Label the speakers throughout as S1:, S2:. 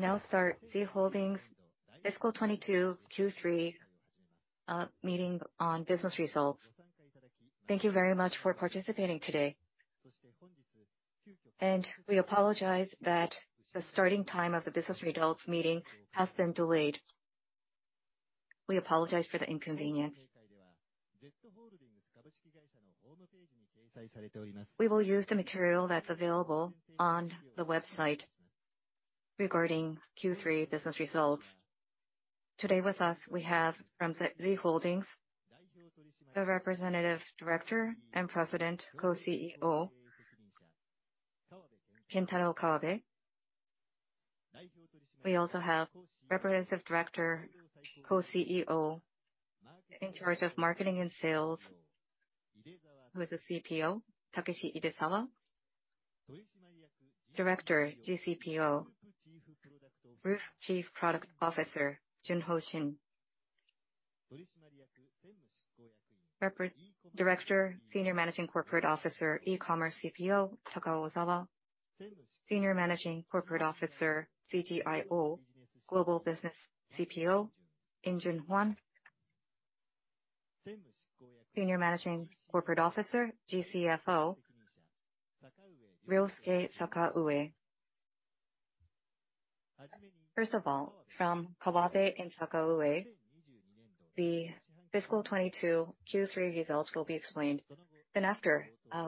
S1: We will now start Z Holdings fiscal 2022 Q3 meeting on business results. Thank you very much for participating today. We apologize that the starting time of the business results meeting has been delayed. We apologize for the inconvenience. We will use the material that's available on the website regarding Q3 business results. Today with us we have from Z Holdings, the Representative Director and President, Co-CEO, Kentaro Kawabe. We also have Representative Director, Co-CEO in charge of marketing and sales, who is the CPO, Takeshi Idezawa. Director GCPO, Group Chief Product Officer, Jungho Shin. Director, Senior Managing Corporate Officer, E-Commerce CPO, Takao Ozawa. Senior Managing Corporate Officer CTIO, Global Business CPO, In Joon Hwang. Senior Managing Corporate Officer GCFO, Ryosuke Sakaue. First of all, from Kawabe and Sakaue, the fiscal 2022 Q3 results will be explained.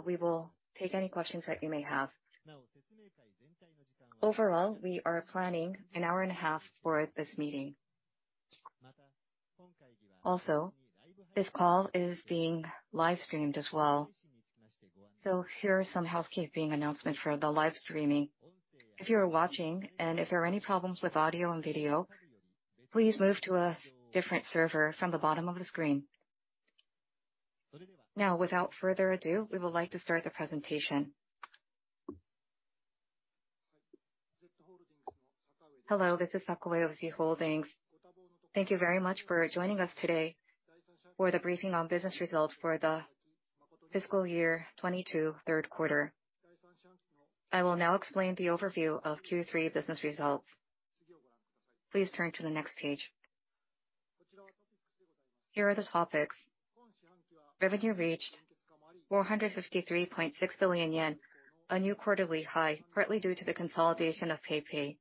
S1: We will take any questions that you may have. Overall, we are planning an hour and a half for this meeting. This call is being live streamed as well. Here are some housekeeping announcement for the live streaming. If you are watching and if there are any problems with audio and video, please move to a different server from the bottom of the screen. Without further ado, we would like to start the presentation.
S2: Hello, this is Sakaue of Z Holdings. Thank you very much for joining us today for the briefing on business results for the fiscal year 2022 third quarter. I will now explain the overview of Q3 business results. Please turn to the next page. Here are the topics. Revenue reached 453.6 billion yen, a new quarterly high, partly due to the consolidation of PayPay.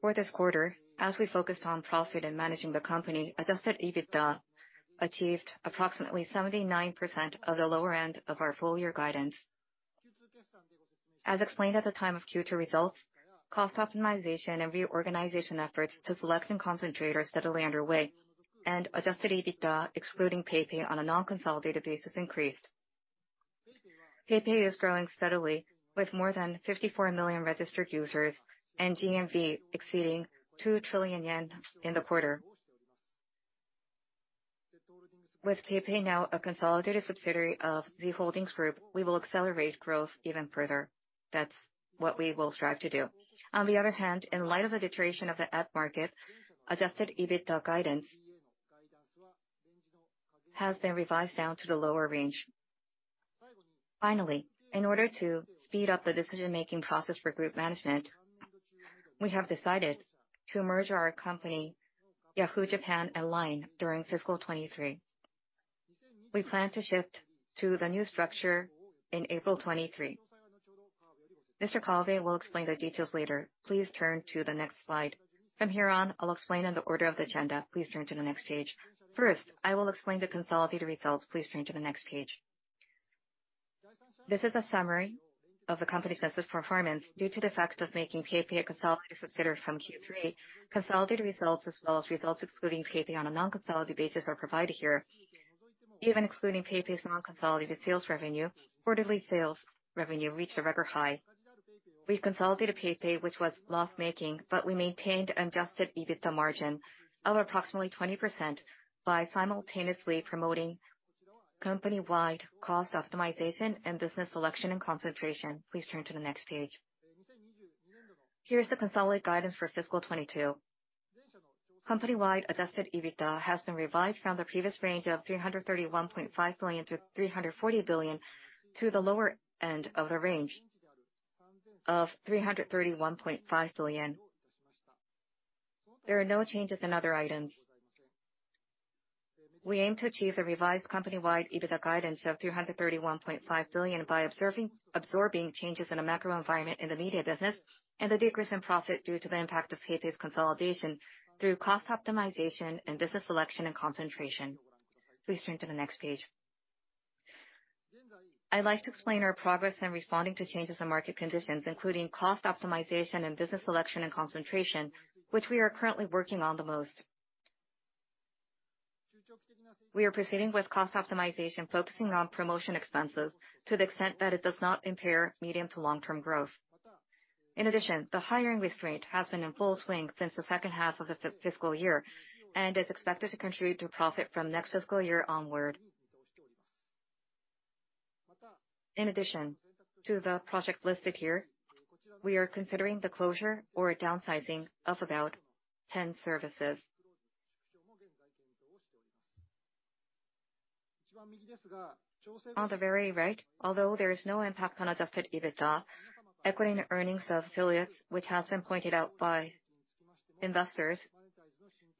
S2: For this quarter, as we focused on profit and managing the company, adjusted EBITDA achieved approximately 79% of the lower end of our full year guidance. As explained at the time of Q2 results, cost optimization and reorganization efforts to select and concentrate are steadily underway, and adjusted EBITDA excluding PayPay on a non-consolidated basis increased. PayPay is growing steadily with more than 54 million registered users and GMV exceeding 2 trillion yen in the quarter. With PayPay now a consolidated subsidiary of Z Holdings group, we will accelerate growth even further. That's what we will strive to do. On the other hand, in light of the deterioration of the admarket, adjusted EBITDA guidance has been revised down to the lower range. Finally, in order to speed up the decision-making process for group management, we have decided to merge our company, Yahoo! JAPAN and LINE during fiscal 2023. We plan to shift to the new structure in April 2023. Mr. Kawabe will explain the details later. Please turn to the next slide. From here on, I'll explain in the order of the agenda. Please turn to the next page. First, I will explain the consolidated results. Please turn to the next page. This is a summary of the company's business performance due to the fact of making PayPay a consolidated subsidiary from Q3. Consolidated results as well as results excluding PayPay on a non-consolidated basis are provided here. Even excluding PayPay's non-consolidated sales revenue, quarterly sales revenue reached a record high. We consolidated PayPay, which was loss-making, we maintained adjusted EBITDA margin of approximately 20% by simultaneously promoting company-wide cost optimization and business selection and concentration. Please turn to the next page. Here's the consolidated guidance for fiscal 2022. Company-wide adjusted EBITDA has been revised from the previous range of 331.5 billion-340 billion to the lower end of the range of 331.5 billion. There are no changes in other items. We aim to achieve a revised company-wide EBITDA guidance of 331.5 billion by absorbing changes in the macro environment in the media business and the decrease in profit due to the impact of PayPay's consolidation through cost optimization and business selection and concentration. Please turn to the next page. I'd like to explain our progress in responding to changes in market conditions, including cost optimization and business selection and concentration, which we are currently working on the most. We are proceeding with cost optimization, focusing on promotion expenses to the extent that it does not impair medium to long-term growth. In addition, the hiring restraint has been in full swing since the second half of the fiscal year and is expected to contribute to profit from next fiscal year onward. In addition to the project listed here, we are considering the closure or a downsizing of about 10 services. On the very right, although there is no impact on adjusted EBITDA, equity and earnings of affiliates, which has been pointed out by investors,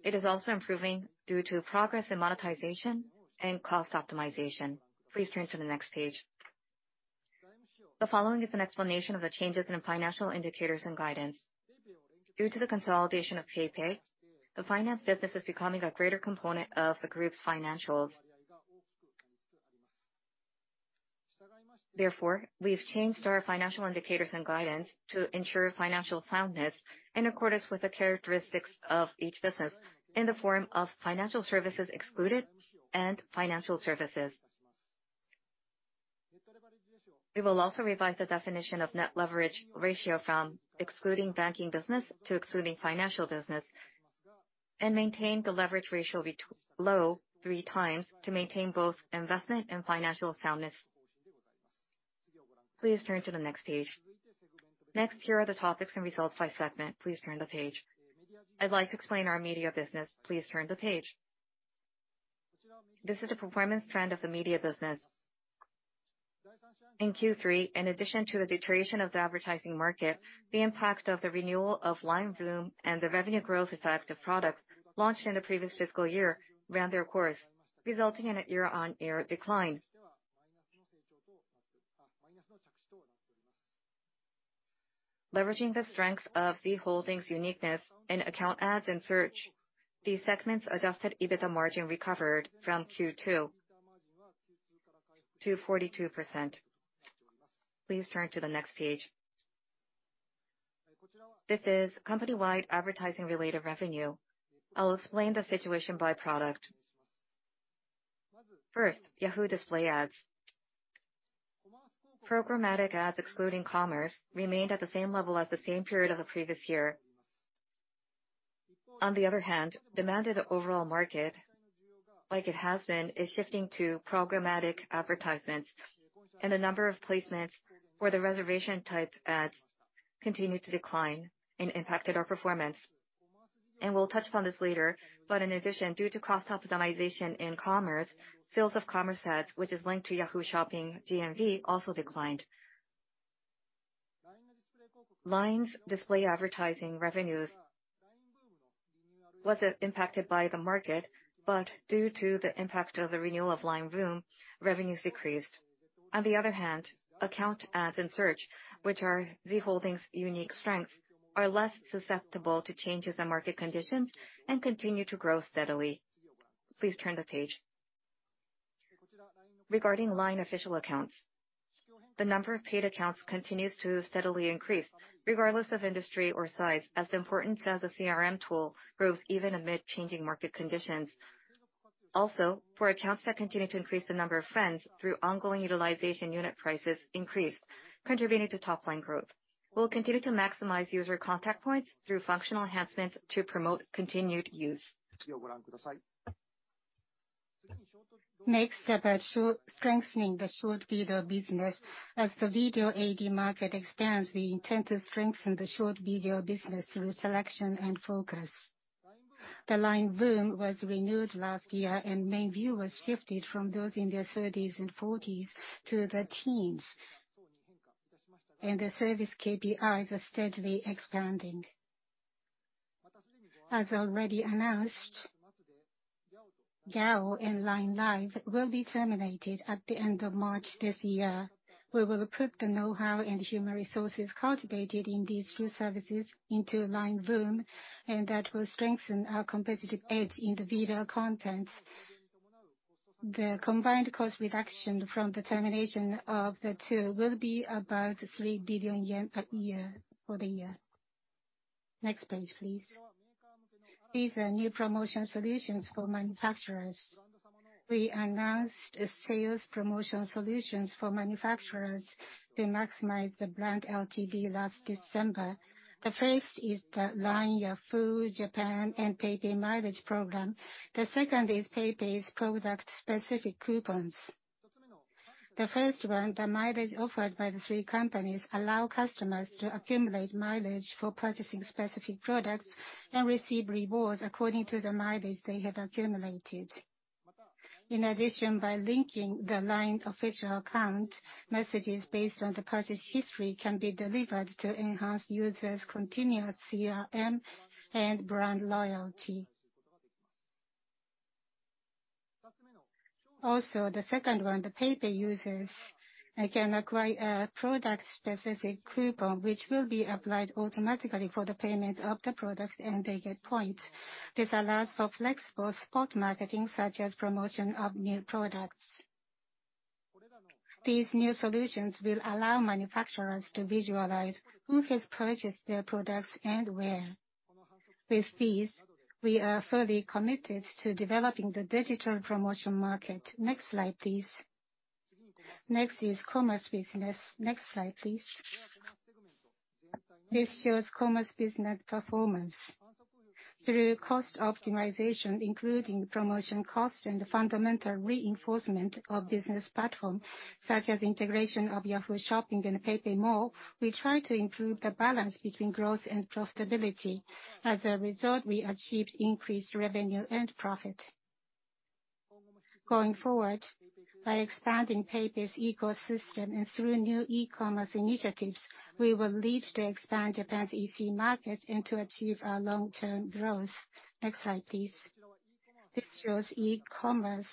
S2: it is also improving due to progress in monetization and cost optimization. Please turn to the next page. The following is an explanation of the changes in financial indicators and guidance. Due to the consolidation of PayPay, the finance business is becoming a greater component of the group's financials. We've changed our financial indicators and guidance to ensure financial soundness in accordance with the characteristics of each business in the form of financial services excluded and financial services. We will also revise the definition of net leverage ratio from excluding banking business to excluding financial business and maintain the leverage ratio below 3x to maintain both investment and financial soundness. Please turn to the next page. Here are the topics and results by segment. Please turn the page. I'd like to explain our media business. Please turn the page. This is the performance trend of the media business. In Q3, in addition to the deterioration of the advertising market, the impact of the renewal of LINE VOOM and the revenue growth effect of products launched in the previous fiscal year ran their course, resulting in a year-on-year decline. Leveraging the strength of Z Holdings' uniqueness in account ads and search, the segment's adjusted EBITDA margin recovered from Q2 to 42%. Please turn to the next page. This is company-wide advertising related revenue. I'll explain the situation by product. First, Yahoo! display ads. Programmatic ads excluding commerce remained at the same level as the same period of the previous year. Demand in the overall market, like it has been, is shifting to programmatic advertisements. The number of placements for the reservation type ads continued to decline and impacted our performance. We'll touch upon this later, in addition, due to cost optimization in commerce, sales of commerce ads, which is linked to Yahoo! Shopping GMV, also declined. LINE's display advertising revenues wasn't impacted by the market, due to the impact of the renewal of LINE VOOM, revenues decreased. On the other hand, account ads and search, which are Z Holdings' unique strengths, are less susceptible to changes in market conditions and continue to grow steadily. Please turn the page. Regarding LINE official accounts, the number of paid accounts continues to steadily increase regardless of industry or size, as the importance as a CRM tool grows even amid changing market conditions. Also, for accounts that continue to increase the number of friends through ongoing utilization, unit prices increased, contributing to top line growth. We'll continue to maximize user contact points through functional enhancements to promote continued use. Next, about strengthening the short video business. As the video ad market expands, we intend to strengthen the short video business through selection and focus. The LINE VOOM was renewed last year, and main viewers shifted from those in their thirties and forties to the teens. The service KPIs are steadily expanding. As already announced, GYAO! and LINE LIVE will be terminated at the end of March this year. We will put the knowhow and human resources cultivated in these two services into LINE VOOM, and that will strengthen our competitive edge in the video content. The combined cost reduction from the termination of the two will be about 3 billion yen per year for the year. Next page, please. These are new promotion solutions for manufacturers. We announced a sales promotion solutions for manufacturers to maximize the brand LTV last December. The first is the LINE, Yahoo! Japan and PayPay mileage program. The second is PayPay's product-specific coupons. The first one, the mileage offered by the three companies allow customers to accumulate mileage for purchasing specific products and receive rewards according to the mileage they have accumulated. By linking the LINE official account, messages based on the purchase history can be delivered to enhance users' continuous CRM and brand loyalty. The second one, the PayPay users can acquire a product-specific coupon, which will be applied automatically for the payment of the product, and they get points. This allows for flexible spot marketing, such as promotion of new products. These new solutions will allow manufacturers to visualize who has purchased their products and where. With these, we are fully committed to developing the digital promotion market. Next slide, please. Next is Commerce business. Next slide, please. This shows Commerce business performance. Through cost optimization, including promotion cost and the fundamental reinforcement of business platform, such as integration of Yahoo! Shopping and PayPay Mall, we try to improve the balance between growth and profitability. As a result, we achieved increased revenue and profit. Going forward, by expanding PayPay's ecosystem and through new e-commerce initiatives, we will lead to expand Japan's EC market and to achieve our long-term growth. Next slide, please. This shows e-commerce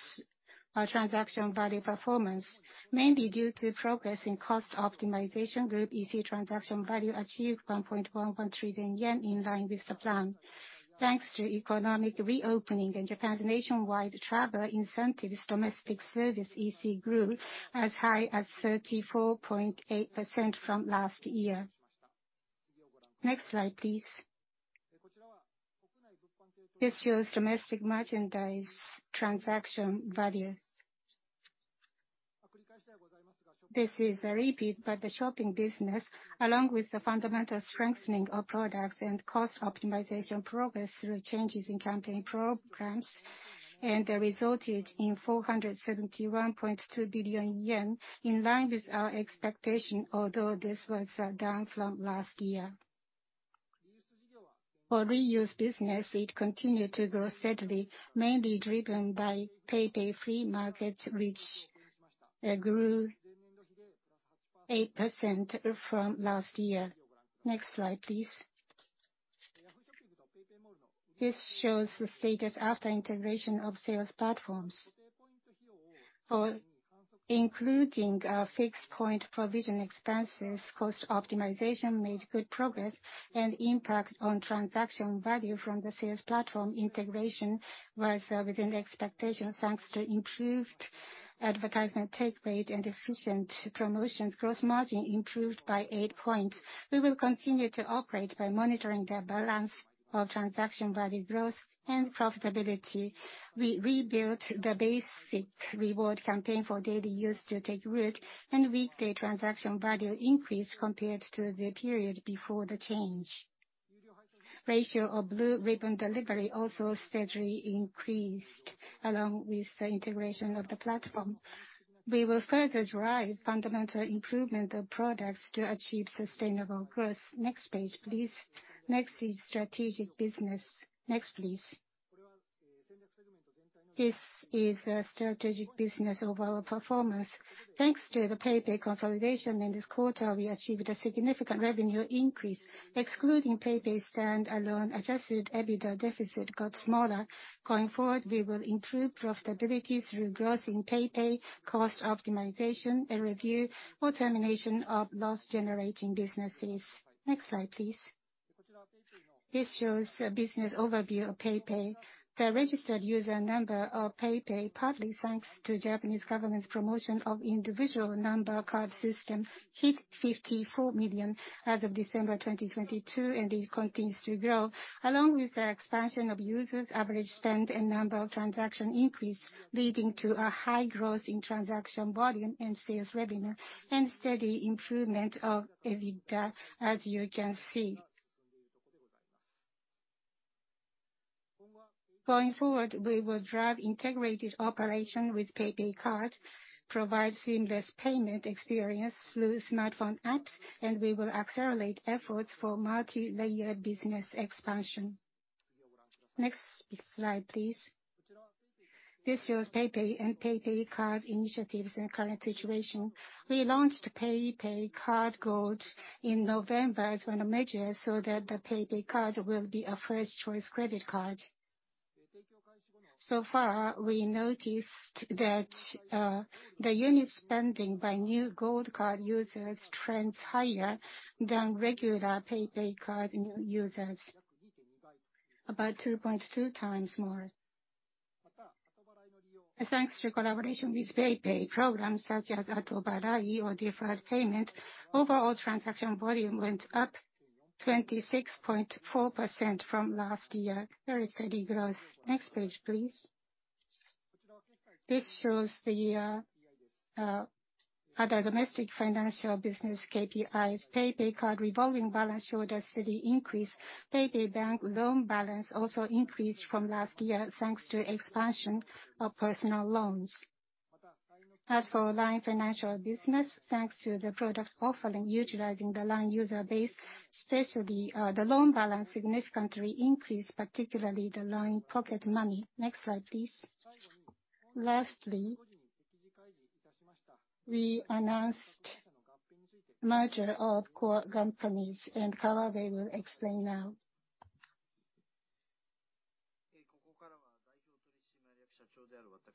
S2: transaction value performance. Mainly due to progress in cost optimization, group EC transaction value achieved 1.11 trillion yen, in line with the plan. Thanks to economic reopening and Japan's nationwide travel incentives, domestic service EC grew as high as 34.8% from last year. Next slide, please. This shows domestic merchandise transaction value. This is a repeat, but the shopping business, along with the fundamental strengthening of products and cost optimization progress through changes in campaign programs, and resulted in 471.2 billion yen, in line with our expectation, although this was down from last year. For reuse business, it continued to grow steadily, mainly driven by PayPay Flea Market, which grew 8% from last year. Next slide, please. This shows the status after integration of sales platforms. For including fixed point provision expenses, cost optimization made good progress and impact on transaction value from the sales platform integration was within the expectations, thanks to improved advertisement take rate and efficient promotions. Gross margin improved by 8 points. We will continue to operate by monitoring the balance of transaction value growth and profitability. We rebuilt the basic reward campaign for daily use to take root and weekday transaction value increased compared to the period before the change. Ratio of Blue-Ribbon delivery also steadily increased along with the integration of the platform. We will further drive fundamental improvement of products to achieve sustainable growth. Next page, please. Next is Strategic business. Next, please. This is the Strategic business overall performance. Thanks to the PayPay consolidation, in this quarter we achieved a significant revenue increase. Excluding PayPay stand-alone, adjusted EBITDA deficit got smaller. Going forward, we will improve profitability through growth in PayPay, cost optimization, and review or termination of loss-generating businesses. Next slide, please. This shows a business overview of PayPay. The registered user number of PayPay, partly thanks to Japanese government's promotion of Individual Number Card system, hit 54 million as of December 2022, and it continues to grow. Along with the expansion of users, average spend and number of transaction increased, leading to a high growth in transaction volume and sales revenue and steady improvement of EBITDA, as you can see. Going forward, we will drive integrated operation with PayPay Card, provide seamless payment experience through smartphone apps. We will accelerate efforts for multilayer business expansion. Next slide, please. This shows PayPay and PayPay Card initiatives and current situation. We launched PayPay Card Gold in November as one of measures so that the PayPay Card will be a first choice credit card. Far, we noticed that the unit spending by new Gold Card users trends higher than regular PayPay Card new users, about 2.2x more. Thanks to collaboration with PayPay programs such as PayPay Atobarai or deferred payment, overall transaction volume went up 26.4% from last year. Very steady growth. Next page, please. This shows the other domestic financial business KPIs. PayPay Card revolving balance showed a steady increase. PayPay Bank loan balance also increased from last year, thanks to expansion of personal loans. As for LINE Financial business, thanks to the product offering utilizing the LINE user base, especially the loan balance significantly increased, particularly the LINE Pocket Money. Next slide, please. Lastly, we announced merger of core companies. Kawabe will explain now.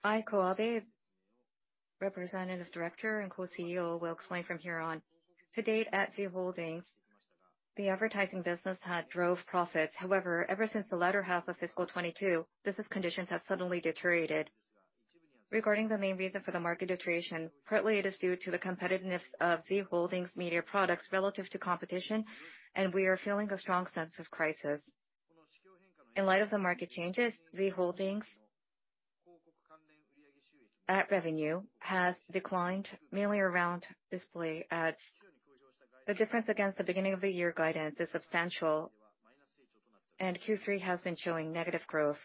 S3: I, Kawabe, Representative Director and co-CEO, will explain from here on. To date at Z Holdings, the advertising business had drove profits. Ever since the latter half of fiscal 2022, business conditions have suddenly deteriorated. Regarding the main reason for the market deterioration, partly it is due to the competitiveness of Z Holdings' media products relative to competition, and we are feeling a strong sense of crisis. In light of the market changes, Z Holdings ad revenue has declined mainly around display, as the difference against the beginning of the year guidance is substantial, and Q3 has been showing negative growth.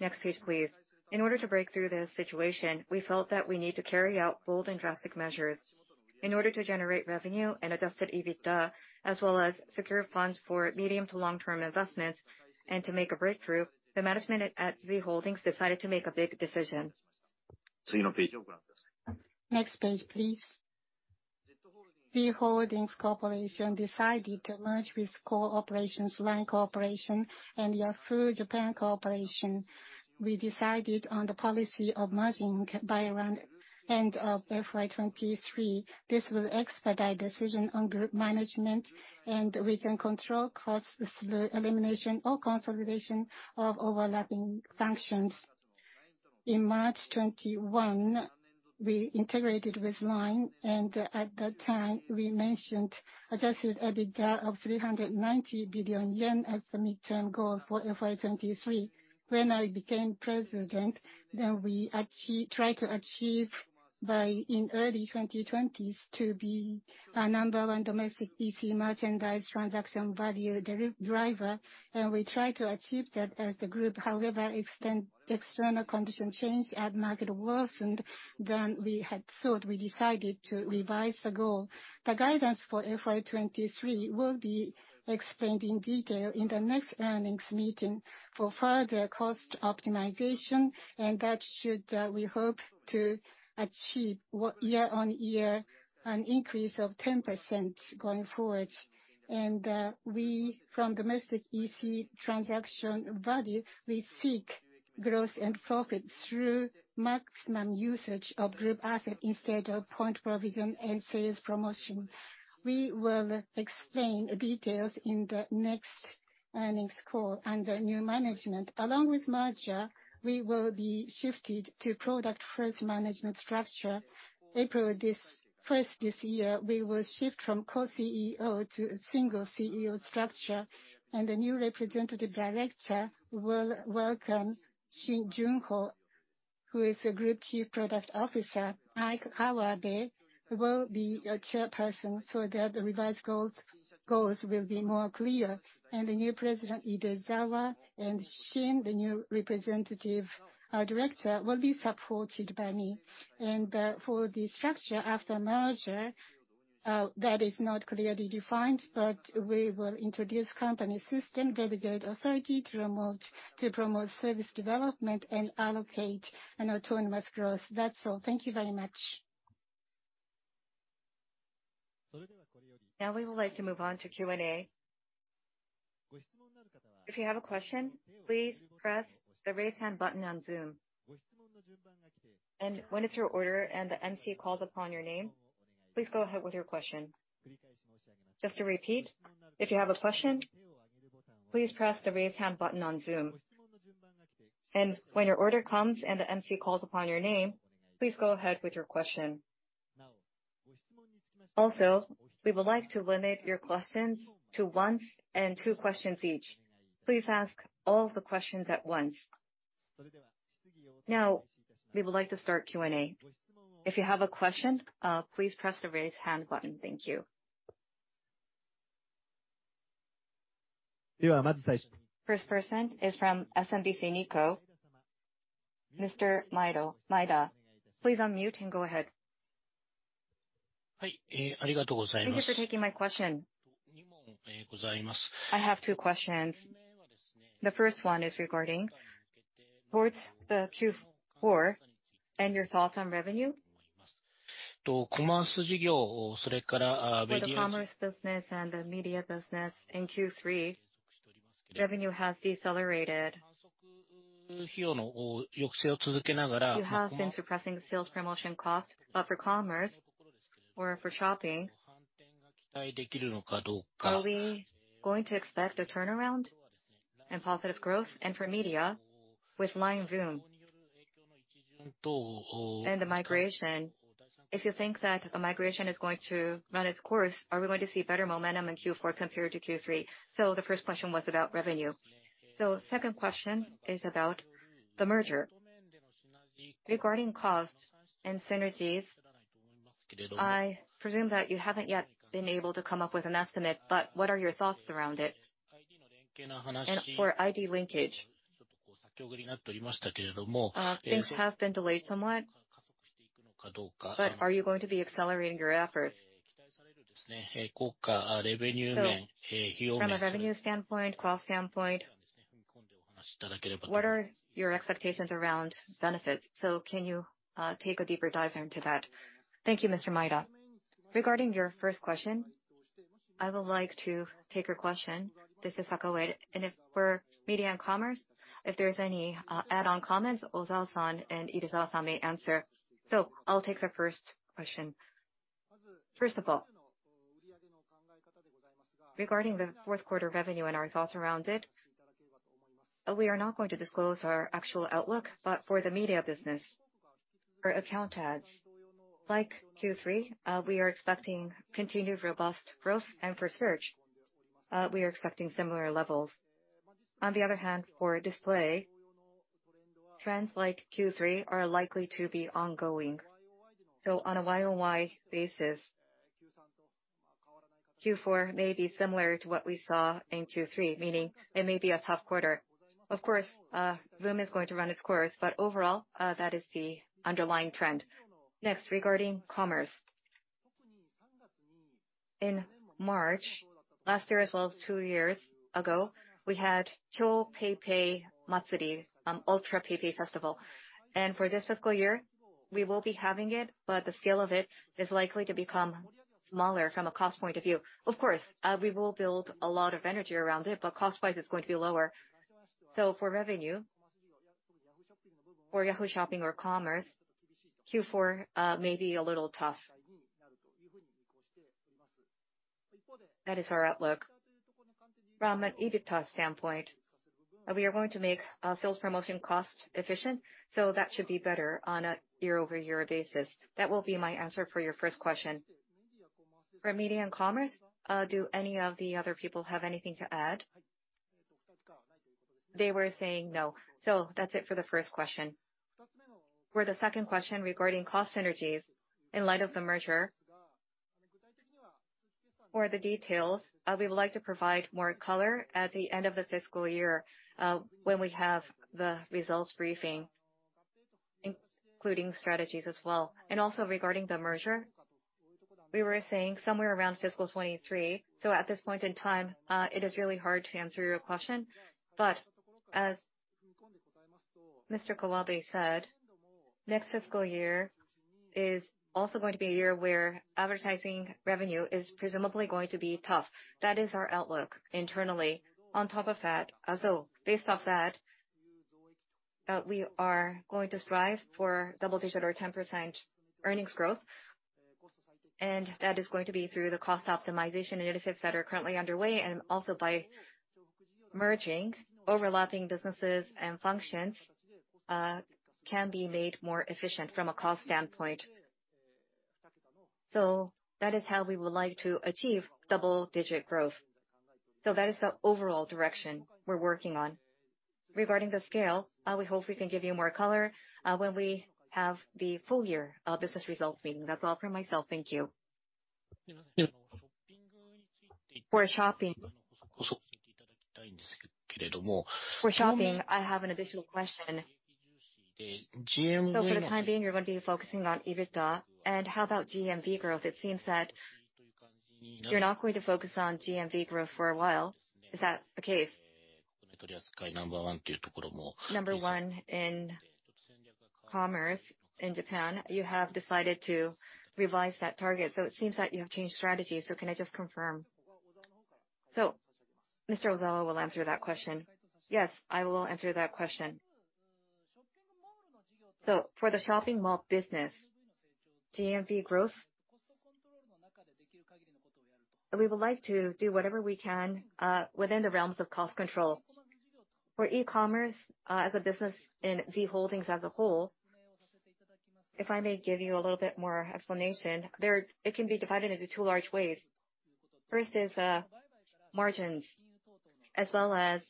S3: Next page, please. In order to break through this situation, we felt that we need to carry out bold and drastic measures. In order to generate revenue and adjusted EBITDA, as well as secure funds for medium to long term investments and to make a breakthrough, the management at Z Holdings decided to make a big decision. Next page, please. Z Holdings Corporation decided to merge with core operations LINE Corporation and Yahoo! JAPAN Corporation. We decided on the policy of merging by around end of FY2023. This will expedite decision on group management, and we can control costs through elimination or consolidation of overlapping functions. In March 2021, we integrated with LINE, and at that time, we mentioned adjusted EBITDA of 390 billion yen as the midterm goal for FY2023. When I became president, we try to achieve by in early 2020s to be a number one domestic EC merchandise transaction value driver, and we try to achieve that as a group. However, external condition changed and market worsened than we had thought. We decided to revise the goal. The guidance for FY2023 will be explained in detail in the next earnings meeting for further cost optimization. That should, we hope to achieve year-on-year an increase of 10% going forward. We from domestic EC transaction value, we seek growth and profit through maximum usage of group asset instead of point provision and sales promotion. We will explain details in the next earnings call. Under new management, along with merger, we will be shifted to product-first management structure. First this year, we will shift from co-CEO to a single CEO structure. The new Representative Director will welcome Jungho Shin, who is a Group Chief Product Officer. Kentaro Kawabe will be a Chairperson so that the revised goals will be more clear. The new President, Idezawa, and Shin, the new Representative Director, will be supported by me. For the structure after merger, that is not clearly defined, but we will introduce company system, delegate authority to promote service development and allocate an autonomous growth. That's all. Thank you very much. We would like to move on to Q&A.
S1: If you have a question, please press the Raise Hand button on Zoom. When it's your order and the MC calls upon your name, please go ahead with your question. Just to repeat, if you have a question, please press the Raise Hand button on Zoom. When your order comes and the MC calls upon your name, please go ahead with your question. We would like to limit your questions to 1 and 2 questions each. Please ask all of the questions at once. We would like to start Q&A. If you have a question, please press the Raise Hand button. Thank you. First person is from SMBC Nikko, Mr. Maeda. Please unmute and go ahead.
S4: Thank you for taking my question. I have two questions. The first one is regarding towards the Q4 and your thoughts on revenue. For the commerce business and the media business in Q3, revenue has decelerated. You have been suppressing sales promotion costs, but for commerce or for shopping, are we going to expect a turnaround and positive growth? For media with LINE VOOM and the migration, if you think that a migration is going to run its course, are we going to see better momentum in Q4 compared to Q3? The first question was about revenue. Second question is about the merger. Regarding costs and synergies, I presume that you haven't yet been able to come up with an estimate, but what are your thoughts around it? For ID linkage, things have been delayed somewhat, but are you going to be accelerating your efforts? From a revenue standpoint, cost standpoint, what are your expectations around benefits? Can you take a deeper dive into that?
S2: Thank you, Mr. Maeda. Regarding your first question, I would like to take your question. This is Sakaue. If for media and commerce, if there's any add-on comments, Ozawa-san and Idezawa-san may answer. I'll take the first question. First of all, regarding the fourth quarter revenue and our thoughts around it, we are not going to disclose our actual outlook. For the media business or account ads, like Q3, we are expecting continued robust growth. For search, we are expecting similar levels. On the other hand, for display, trends like Q3 are likely to be ongoing. On a year-over-year basis Q4 may be similar to what we saw in Q3, meaning it may be a tough quarter. Of course, VOOM is going to run its course, but overall, that is the underlying trend. Next, regarding commerce. In March, last year as well as two years ago, we had Cho PayPay Matsuri, Ultra PayPay Festival. For this fiscal year we will be having it, but the scale of it is likely to become smaller from a cost point of view. Of course, we will build a lot of energy around it, but cost-wise it's going to be lower. For revenue, for Yahoo! Shopping or Commerce, Q4 may be a little tough. That is our outlook. From an EBITDA standpoint, we are going to make our sales promotion cost efficient, so that should be better on a year-over-year basis. That will be my answer for your first question. For Media and Commerce, do any of the other people have anything to add? They were saying no. That's it for the first question. For the second question regarding cost synergies in light of the merger, for the details, we would like to provide more color at the end of the fiscal year, when we have the results briefing, including strategies as well. Regarding the merger, we were saying somewhere around fiscal 2023, at this point in time, it is really hard to answer your question. As Mr. Kawabe said, next fiscal year is also going to be a year where advertising revenue is presumably going to be tough. That is our outlook internally. On top of that, also based off that, we are going to strive for double-digit or 10% earnings growth. That is going to be through the cost optimization initiatives that are currently underway and also by merging overlapping businesses and functions, can be made more efficient from a cost standpoint. That is how we would like to achieve double-digit growth. That is the overall direction we're working on. Regarding the scale, we hope we can give you more color when we have the full year business results meeting. That's all from myself. Thank you.
S4: For shopping, I have an additional question For the time being you're going to be focusing on EBITDA, and how about GMV growth? It seems that you're not going to focus on GMV growth for a while. Is that the case?
S2: Number one in commerce in Japan, you have decided to revise that target. It seems that you have changed strategy. Can I just confirm? Mr. Ozawa will answer that question.
S5: Yes, I will answer that question. For the shopping mall business, GMV growth, we would like to do whatever we can within the realms of cost control. For e-commerce, as a business in Z Holdings as a whole, if I may give you a little bit more explanation, there it can be divided into two large ways. First is margins, as well as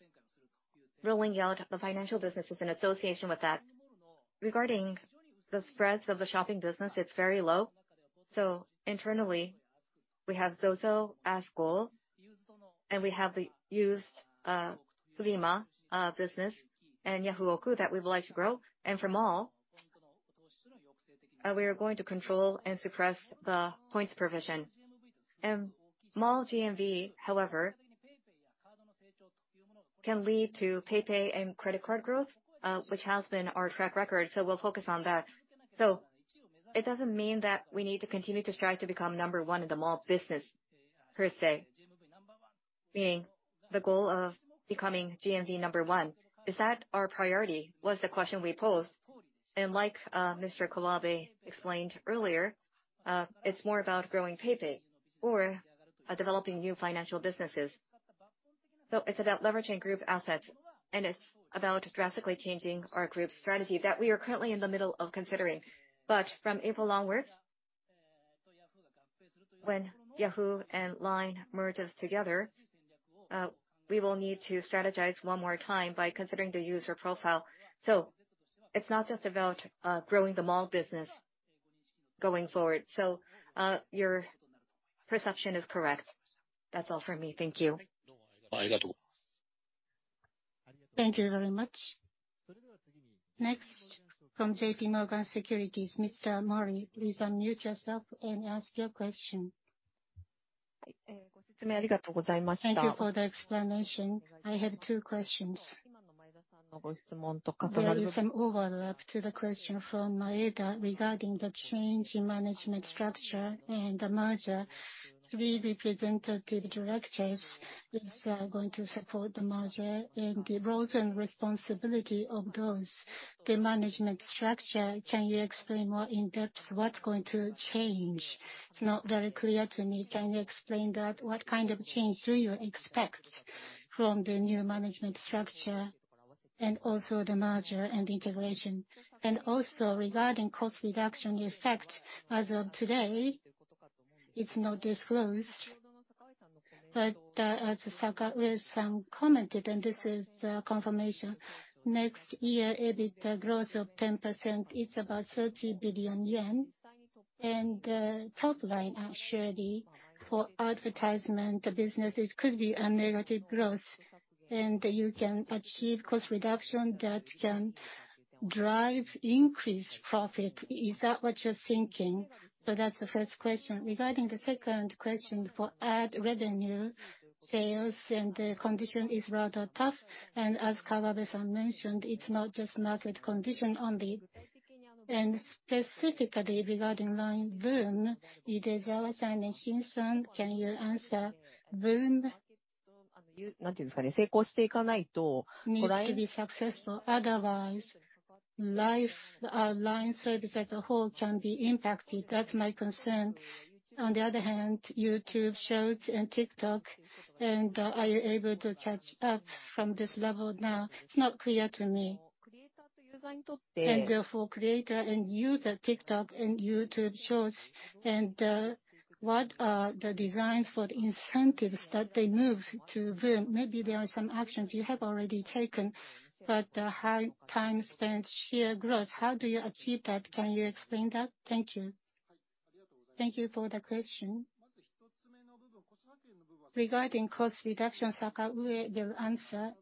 S5: rolling out the financial businesses in association with that. Regarding the spreads of the shopping business, it's very low. Internally, we have ZOZO, ASKUL, and we have the used furima business and Yahoo! Auctions that we would like to grow. From mall, we are going to control and suppress the points provision. Mall GMV, however, can lead to PayPay and credit card growth, which has been our track record, so we'll focus on that. It doesn't mean that we need to continue to strive to become number one in the mall business, per se. Being the goal of becoming GMV number one, is that our priority, was the question we posed. Like, Mr. Kawabe explained earlier, it's more about growing PayPay or developing new financial businesses. It's about leveraging group assets, and it's about drastically changing our group strategy that we are currently in the middle of considering. From April onwards, when Yahoo! and LINE merges together, we will need to strategize one more time by considering the user profile. It's not just about growing the mall business going forward. Your perception is correct. That's all from me. Thank you.
S1: Thank you very much. Next from J.P. Morgan Securities, Mr. Mori, please unmute yourself and ask your question.
S6: Thank you for the explanation. I have two questions. There is some overlap to the question from Maeda regarding the change in management structure and the merger. Three representative directors is going to support the merger and the roles and responsibility of those, the management structure, can you explain more in depth what's going to change? It's not very clear to me. Can you explain that? What kind of change do you expect from the new management structure and also the merger and integration? Regarding cost reduction effect, as of today, it's not disclosed. But as Sakaue-san commented, and this is a confirmation, next year EBITDA growth of 10%, it's about 30 billion yen. Top line actually for advertisement businesses could be a negative growth, and you can achieve cost reduction that can drive increased profit. Is that what's you're thinking? That's the first question. Regarding the second question, for ad revenue sales and the condition is rather tough, and as Kawabe-san mentioned, it's not just market condition only. Specifically regarding LINE VOOM, Idezawa-san and Shin-san, can you answer? VOOM needs to be successful, otherwise, LINE service as a whole can be impacted. That's my concern. On the other hand, YouTube Shorts and TikTok, are you able to catch up from this level now? It's not clear to me. Therefore, creator and user, TikTok and YouTube Shorts, what are the designs for the incentives that they move to VOOM? Maybe there are some actions you have already taken, but high time spent, sheer growth. How do you achieve that? Can you explain that? Thank you.
S5: Thank you for the question. Regarding cost reduction, Sakaue will answer.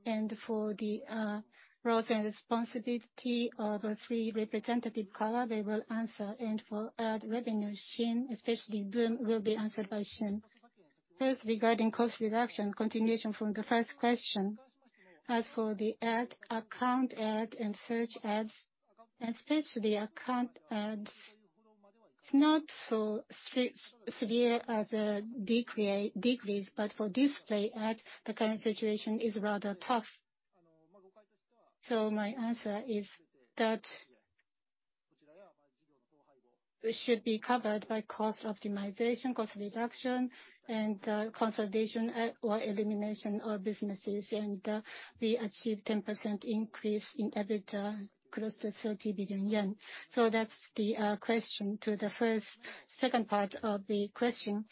S5: For the roles and responsibility of the three representative, Kawabe will answer. For ad revenue, Shin, especially VOOM, will be answered by Shin. First, regarding cost reduction, continuation from the first question. As for the account ad and search ads, especially account ads, it's not so severe as a decrease, but for display ad, the current situation is rather tough. My answer is that it should be covered by cost optimization, cost reduction, and consolidation or elimination of businesses. We achieve 10% increase in EBITDA, close to 30 billion yen. That's the question to the second part of the question.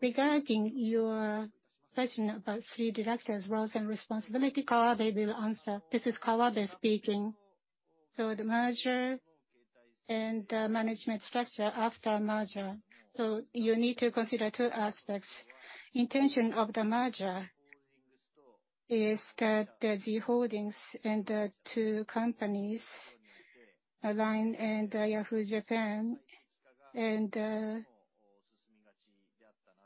S5: Regarding your question about 3 directors' roles and responsibility, Kawabe will answer.
S3: This is Kawabe speaking. The merger and management structure after merger, you need to consider two aspects. Intention of the merger is that the Z Holdings and the two companies, LINE and Yahoo! JAPAN, and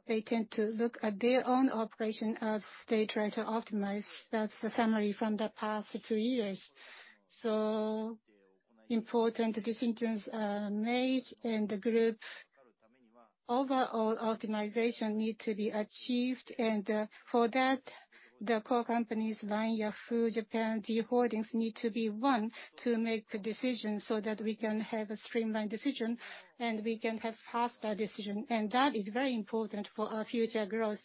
S3: they tend to look at their own operation as they try to optimize. That's the summary from the past two years. Important decisions are made, and the group's overall optimization need to be achieved. For that, the core companies, LINE, Yahoo! JAPAN, Z Holdings, need to be one to make the decision so that we can have a streamlined decision, and we can have faster decision. That is very important for our future growth.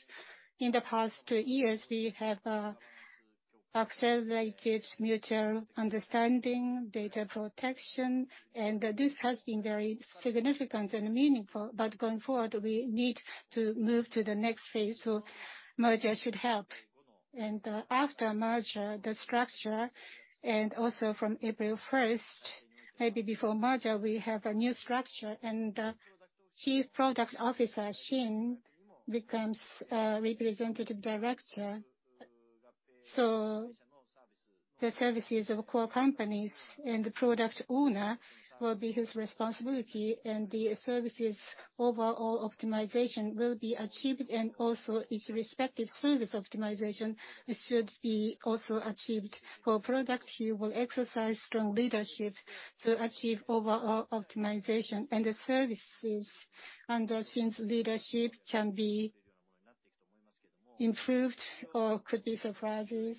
S3: In the past two years, we have accelerated mutual understanding, data protection, and this has been very significant and meaningful. Going forward, we need to move to the next phase, so merger should help. After merger, the structure and also from April first, maybe before merger, we have a new structure and Chief Product Officer, Shin, becomes Representative Director. The services of core companies and the product owner will be his responsibility, and the services' overall optimization will be achieved and also each respective service optimization should be also achieved. For product, he will exercise strong leadership to achieve overall optimization. The services under Shin's leadership can be improved or could be surprises,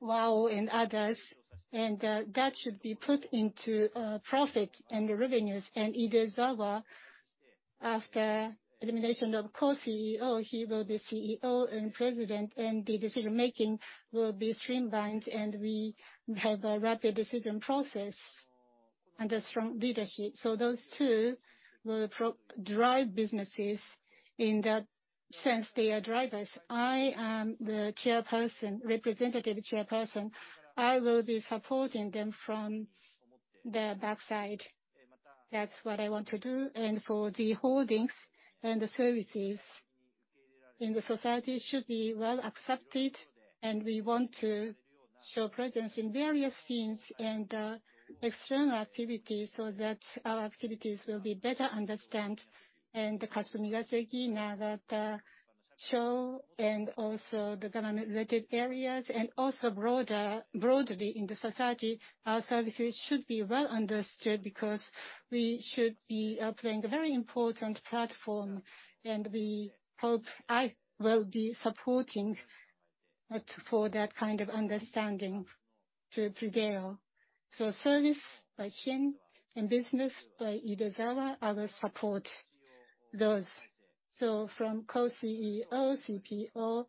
S3: Wow and others. That should be put into profit and revenues. Idezawa, after elimination of Co-CEO, he will be CEO and President, and the decision-making will be streamlined, and we have a rapid decision process and a strong leadership. Those two will pro-drive businesses in that sense, they are drivers. I am the Representative Chairperson. I will be supporting them from the backside. That's what I want to do. For Z Holdings and the services in the society should be well-accepted, and we want to show presence in various scenes and external activities so that our activities will be better understand and the customers are taking now that show and also the government-related areas and also broader, broadly in the society, our services should be well understood because we should be playing a very important platform. We hope I will be supporting for that kind of understanding to prevail. Service by Shin and business by Idezawa, I will support those. From Co-CEO, CPO,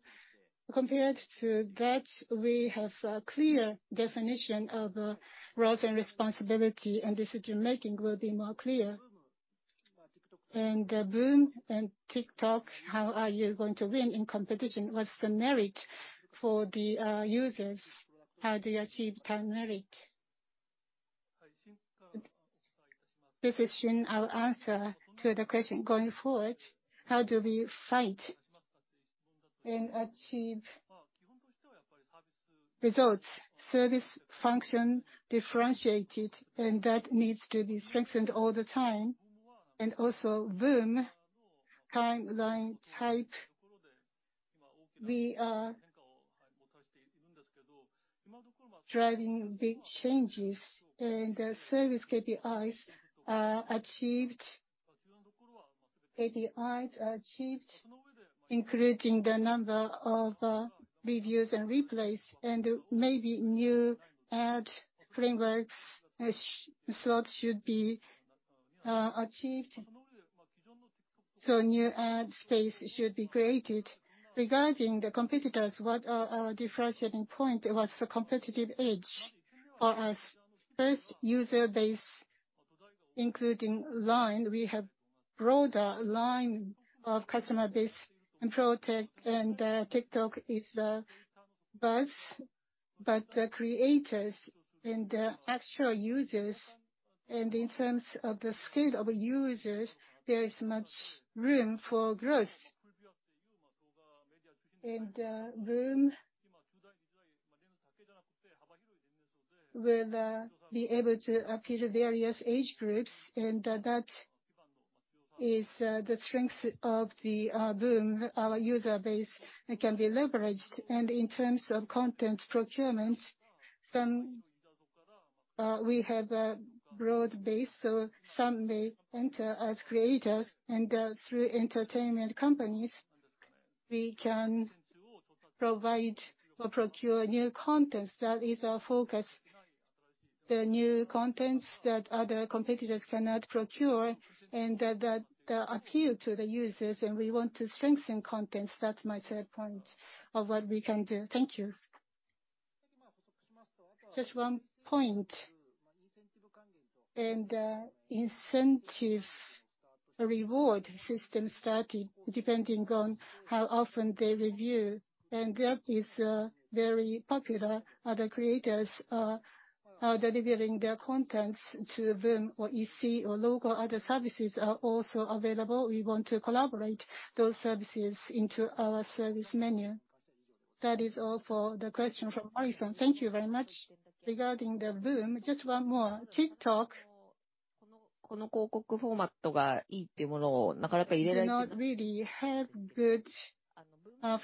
S3: compared to that, we have a clear definition of roles and responsibility, and decision-making will be more clear.
S6: VOOM and TikTok, how are you going to win in competition? What's the merit for the users? How do you achieve that merit?
S7: This is Jungho Shin. I will answer to the question. Going forward, how do we fight and achieve results? Service function differentiated, that needs to be strengthened all the time. Also LINE VOOM, LINE type, we are driving big changes, and the service KPIs are achieved. KPIs are achieved, increasing the number of reviews and replays, and maybe new ad frameworks slots should be achieved. So new ad space should be created. Regarding the competitors, what are our differentiating point? What's the competitive edge for us? First, user base, including LINE, we have broader LINE of customer base and pro tech, and TikTok is buzz. But creators and actual users, and in terms of the scale of users, there is much room for growth. VOOM will be able to appeal to various age groups, that is the strength of the VOOM. Our user base can be leveraged. In terms of content procurement, some, we have a broad base, so some may enter as creators. Through entertainment companies, we can provide or procure new contents. That is our focus. The new contents that other competitors cannot procure and that appeal to the users, and we want to strengthen contents. That's my third point of what we can do. Thank you.
S6: Just one point. Incentive reward system started depending on how often they review, and that is very popular. Other creators are delivering their contents to VOOM or EC or local other services are also available. We want to collaborate those services into our service menu. That is all for the question.
S8: Thank you very much. Regarding the VOOM, just one more. TikTok do not really have good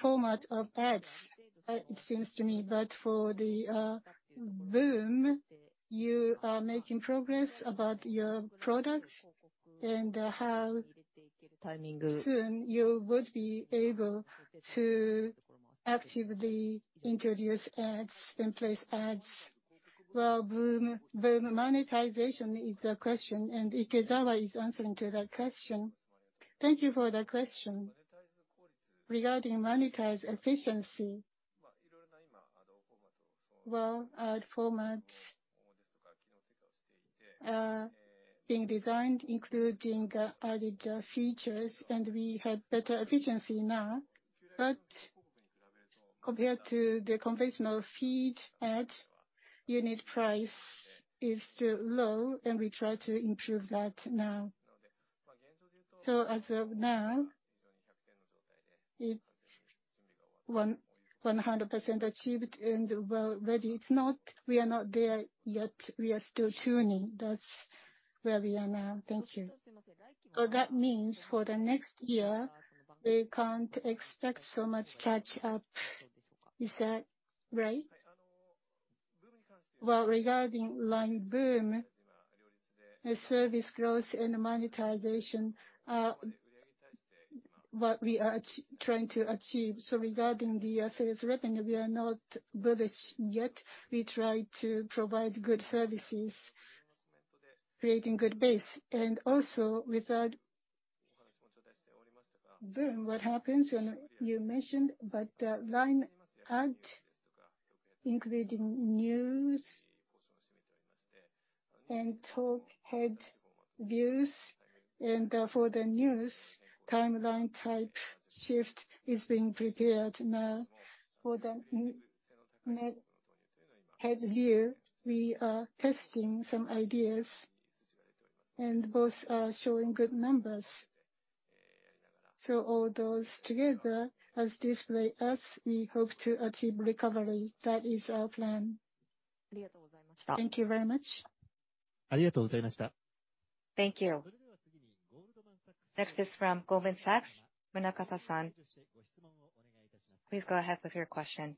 S8: format of ads, it seems to me. For the VOOM, you are making progress about your products and how soon you would be able to actively introduce ads and place ads.
S5: Well, VOOM monetization is a question, and Takeshi Idezawa is answering to that question.
S8: Thank you for that question. Regarding monetize efficiency, well, ad format being designed including added features, and we have better efficiency now. Compared to the conventional feed ad, unit price is still low, and we try to improve that now. As of now, it's 100% achieved and, well, ready. We are not there yet. We are still tuning. That's where we are now. Thank you.
S6: Well, that means for the next year, we can't expect so much catch-up. Is that right?
S8: Regarding LINE VOOM, as service grows and monetization, what we are trying to achieve. Regarding the sales revenue, we are not bullish yet. We try to provide good services, creating good base. Also with VOOM, what happens when you mentioned, but LINE ad, including LINE NEWS and Talk Headview. For the LINE NEWS, timeline type shift is being prepared now. For the Talk Headview, we are testing some ideas, and both are showing good numbers. All those together as display ads, we hope to achieve recovery. That is our plan.
S6: Thank you very much.
S1: Thank you. Next is from Goldman Sachs, Munakata-san. Please go ahead with your question.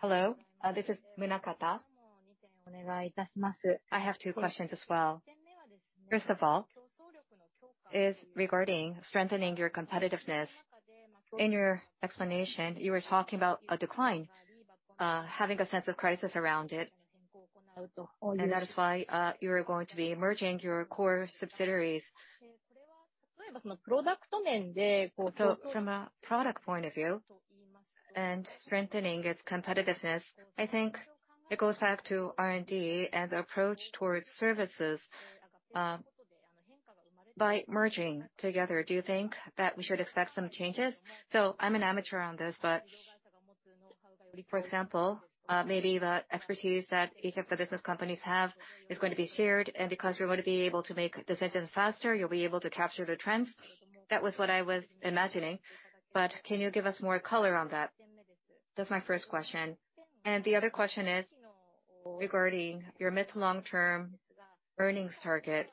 S9: Hello. This is Munakata. I have two questions as well. First of all is regarding strengthening your competitiveness. In your explanation, you were talking about a decline, having a sense of crisis around it. That is why you are going to be merging your core subsidiaries. From a product point of view and strengthening its competitiveness, I think it goes back to R&D and the approach towards services by merging together. Do you think that we should expect some changes? I'm an amateur on this, but for example, maybe the expertise that each of the business companies have is going to be shared. Because you're going to be able to make decisions faster, you'll be able to capture the trends. That was what I was imagining. Can you give us more color on that? That's my first question. The other question is regarding your mid to long-term earnings target,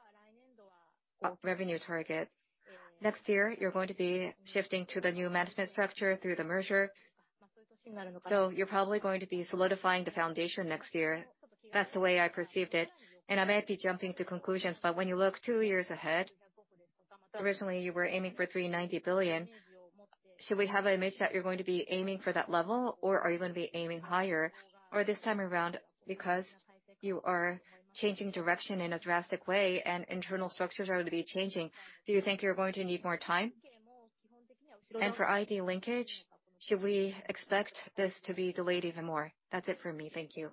S9: revenue target. Next year, you're going to be shifting to the new management structure through the merger. You're probably going to be solidifying the foundation next year. That's the way I perceived it, and I might be jumping to conclusions. When you look two years ahead, originally, you were aiming for 390 billion. Should we have an image that you're going to be aiming for that level, or are you going to be aiming higher? This time around, because you are changing direction in a drastic way and internal structures are going to be changing, do you think you're going to need more time? For ID linkage, should we expect this to be delayed even more? That's it for me. Thank you.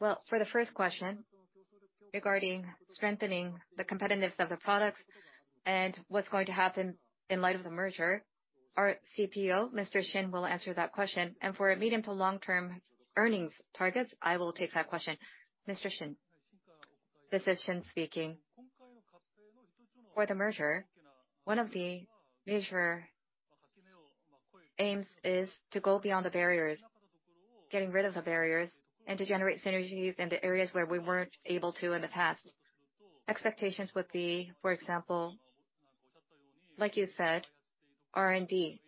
S5: Well, for the first question regarding strengthening the competitiveness of the products and what's going to happen in light of the merger, our CPO, Mr. Shin, will answer that question. For a medium to long-term earnings targets, I will take that question. Mr. Shin.
S7: This is Shin speaking. For the merger, one of the major aims is to go beyond the barriers, getting rid of the barriers, and to generate synergies in the areas where we weren't able to in the past. Expectations would be, for example, like you said, R&D.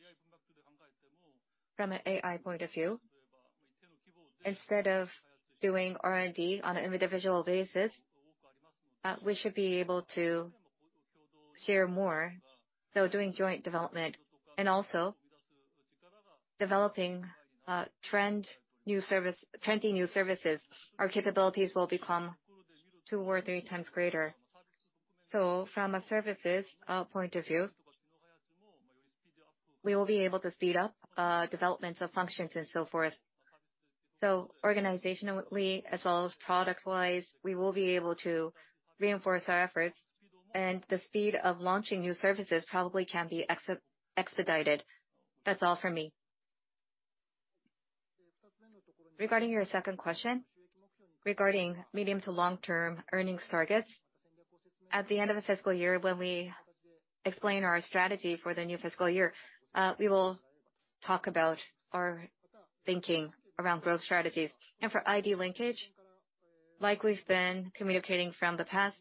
S7: From an AI point of view, instead of doing R&D on an individual basis, we should be able to share more, so doing joint development and also developing trendy new services, our capabilities will become two or three times greater. From a services point of view, we will be able to speed up development of functions and so forth. Organizationally as well as product-wise, we will be able to reinforce our efforts, and the speed of launching new services probably can be expedited. That's all for me.
S5: Regarding your second question, regarding medium to long-term earnings targets, at the end of the fiscal year, when we explain our strategy for the new fiscal year, we will talk about our thinking around growth strategies. For ID linkage, like we've been communicating from the past,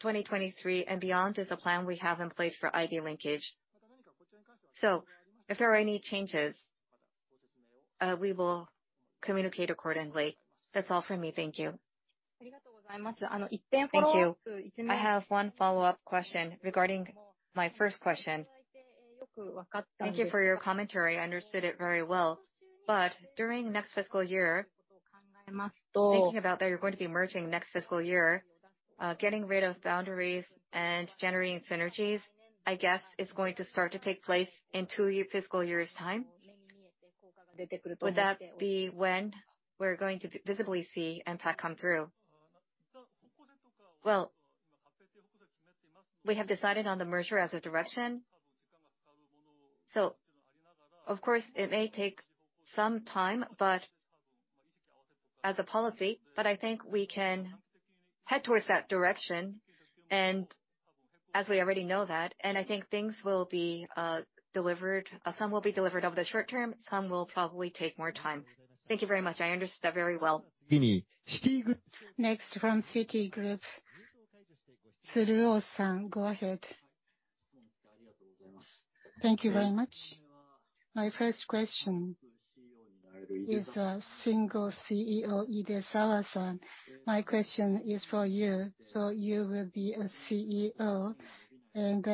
S5: 2023 and beyond is the plan we have in place for ID linkage. If there are any changes, we will communicate accordingly. That's all for me. Thank you.
S9: Thank you. I have one follow-up question regarding my first question. Thank you for your commentary. I understood it very well. During next fiscal year, thinking about that you're going to be merging next fiscal year, getting rid of boundaries and generating synergies, I guess is going to start to take place in two fiscal years' time. Would that be when we're going to visibly see impact come through?
S5: Well, we have decided on the merger as a direction. of course, it may take some time, but as a policy, but I think we can head towards that direction. as we already know that, and I think things will be delivered. Some will be delivered over the short term, some will probably take more time. Thank you very much. I understood that very well.
S1: Next, from Citigroup, Tsuruo-san, go ahead.
S10: Thank you very much. My first question is, single CEO, Idezawa-san. My question is for you. You will be a CEO and,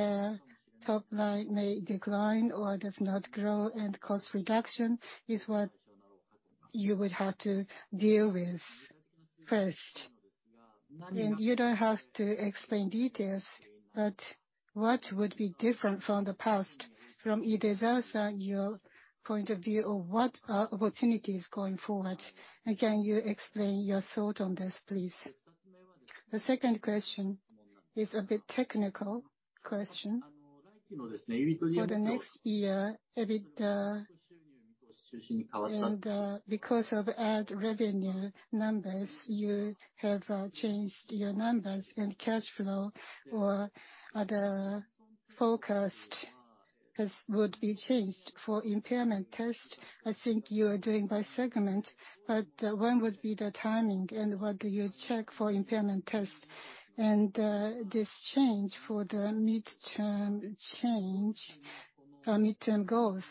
S10: top line may decline or does not grow and cost reduction is what you would have to deal with first. You don't have to explain details, but what would be different from the past from Idezawa-san, your point of view of what are opportunities going forward? Again, you explain your thought on this, please. The second question is a bit technical question. For the next year, EBITDA and, because of ad revenue numbers, you have changed your numbers and cash flow or other forecast, this would be changed for impairment test. I think you are doing by segment, but, when would be the timing and what do you check for impairment test? This change for the midterm change, midterm goals,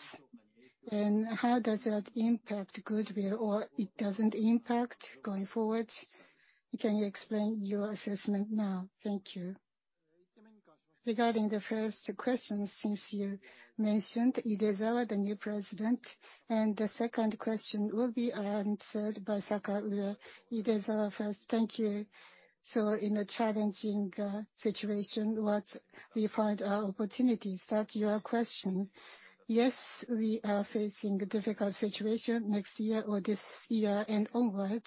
S10: how does that impact goodwill or it doesn't impact going forward? Can you explain your assessment now? Thank you.
S5: Regarding the first question, since you mentioned Idezawa, the new president, the second question will be answered by Sakaue. Idezawa first.
S8: Thank you. In a challenging situation, what we find are opportunities. That's your question. Yes, we are facing a difficult situation next year or this year and onward.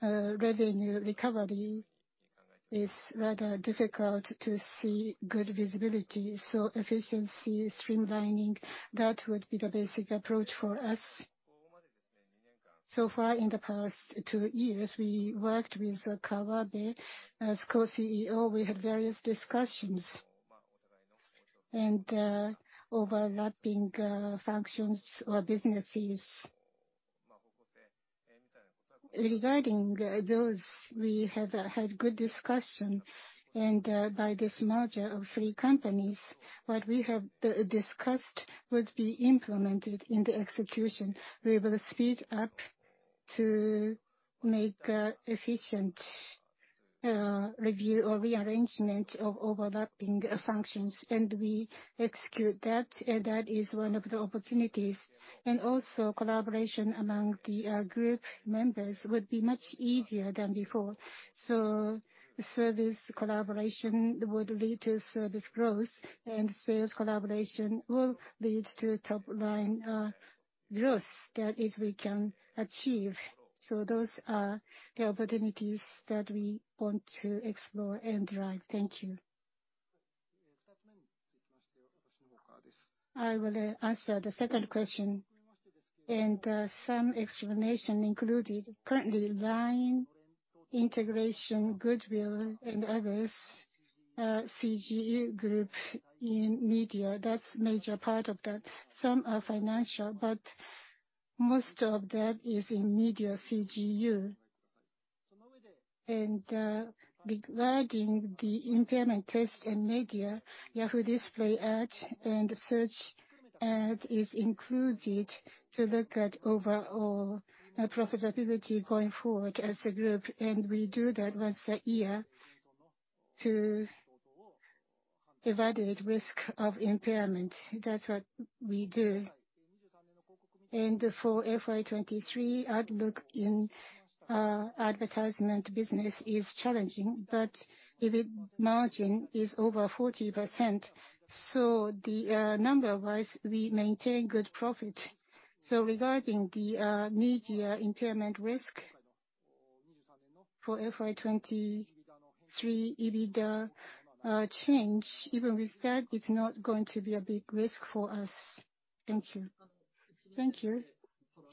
S8: Revenue recovery is rather difficult to see good visibility, so efficiency, streamlining, that would be the basic approach for us. So far in the past two years, we worked with Kawabe as Co-CEO. We had various discussions and overlapping functions or businesses. Regarding those, we have had good discussion, by this merger of three companies, what we have discussed would be implemented in the execution. We will speed up to make efficient review or rearrangement of overlapping functions. We execute that, and that is one of the opportunities. Also collaboration among the group members would be much easier than before. Service collaboration would lead to service growth, and sales collaboration will lead to top line growth. That is, we can achieve. Those are the opportunities that we want to explore and drive. Thank you.
S5: I will answer the second question, some explanation included. Currently LINE integration, goodwill and others, CGU group in media, that's major part of that. Some are financial, but most of that is in media CGU. Regarding the impairment test in media, Yahoo! Display ad and search ad is included to look at overall profitability going forward as a group. We do that once a year to evaluate risk of impairment. That's what we do. For FY2023, outlook in Advertisement business is challenging, but EBIT margin is over 40%, number-wise we maintain good profit. Regarding the media impairment risk for FY2023 EBITDA change, even with that, it's not going to be a big risk for us. Thank you.
S10: Thank you.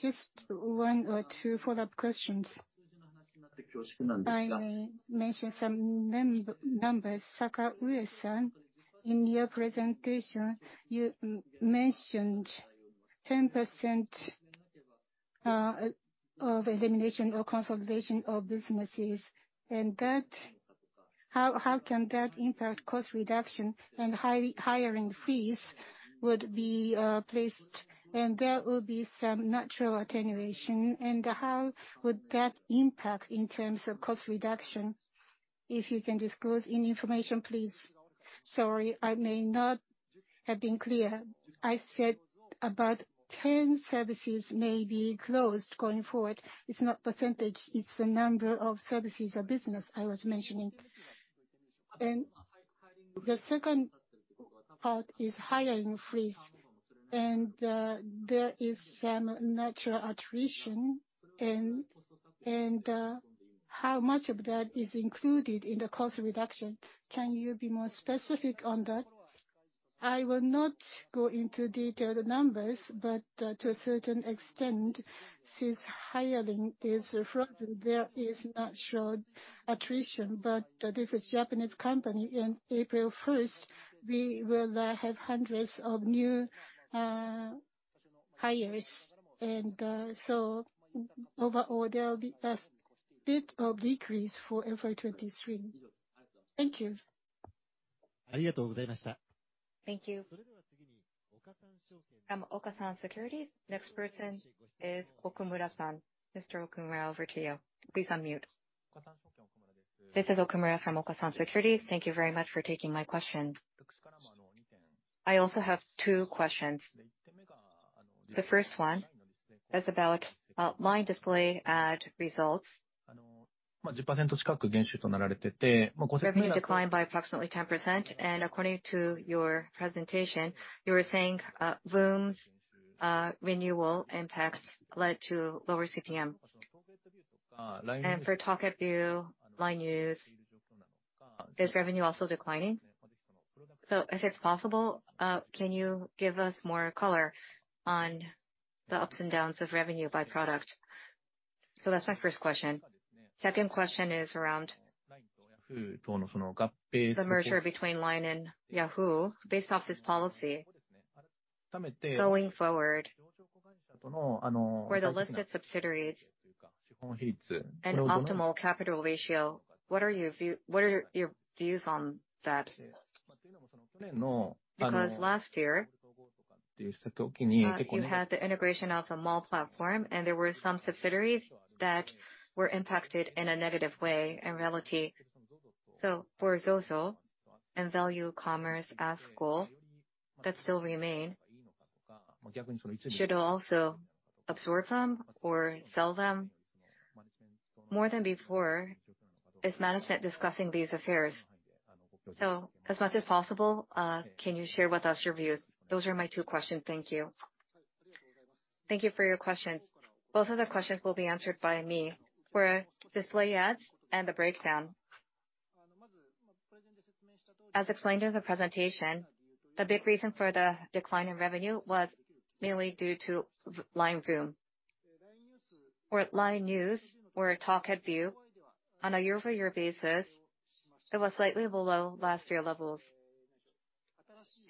S10: Just one or two follow-up questions. I mentioned some mem-numbers. Sakaue-san, in your presentation, you mentioned 10% of elimination or consolidation of businesses, and that... how can that impact cost reduction and hiring freeze would be placed and there will be some natural attenuation. How would that impact in terms of cost reduction? If you can disclose any information, please.
S2: Sorry, I may not have been clear. I said about 10 services may be closed going forward. It's not %, it's the number of services or business I was mentioning. The second part is hiring freeze and there is some natural attrition and how much of that is included in the cost reduction? Can you be more specific on that? I will not go into detailed numbers, but to a certain extent, since hiring is frozen, there is natural attrition. This is Japanese company, in April 1st, we will have hundreds of new hires. Overall there will be a bit of decrease for FY2023.
S10: Thank you.
S1: Thank you. From Okasan Securities, next person is Okumura-san. Mr. Okumura, over to you. Please unmute.
S11: This is Okumura from Okasan Securities. Thank you very much for taking my question. I also have two questions. The first one is about LINE display ad results. Revenue declined by approximately 10% and according to your presentation, you were saying Voom renewal impacts led to lower CPM. For Talk Headview, LINE NEWS, is revenue also declining? If it's possible, can you give us more color on the ups and downs of revenue by product? That's my first question. Second question is around the merger between LINE and Yahoo!. Based off this policy, going forward, for the listed subsidiaries and optimal capital ratio, what are your view, what are your views on that? Last year- You had the integration of the mall platform, and there were some subsidiaries that were impacted in a negative way in reality. For ZOZO and ValueCommerce ASKUL, that still remain. Should also absorb them or sell them more than before is management discussing these affairs? As much as possible, can you share with us your views? Those are my two questions. Thank you.
S5: Thank you for your questions. Both of the questions will be answered by me for display ads and the breakdown. As explained in the presentation, the big reason for the decline in revenue was mainly due to LINE VOOM. For LINE NEWS or a Talk Headview on a year-over-year basis, it was slightly below last year levels.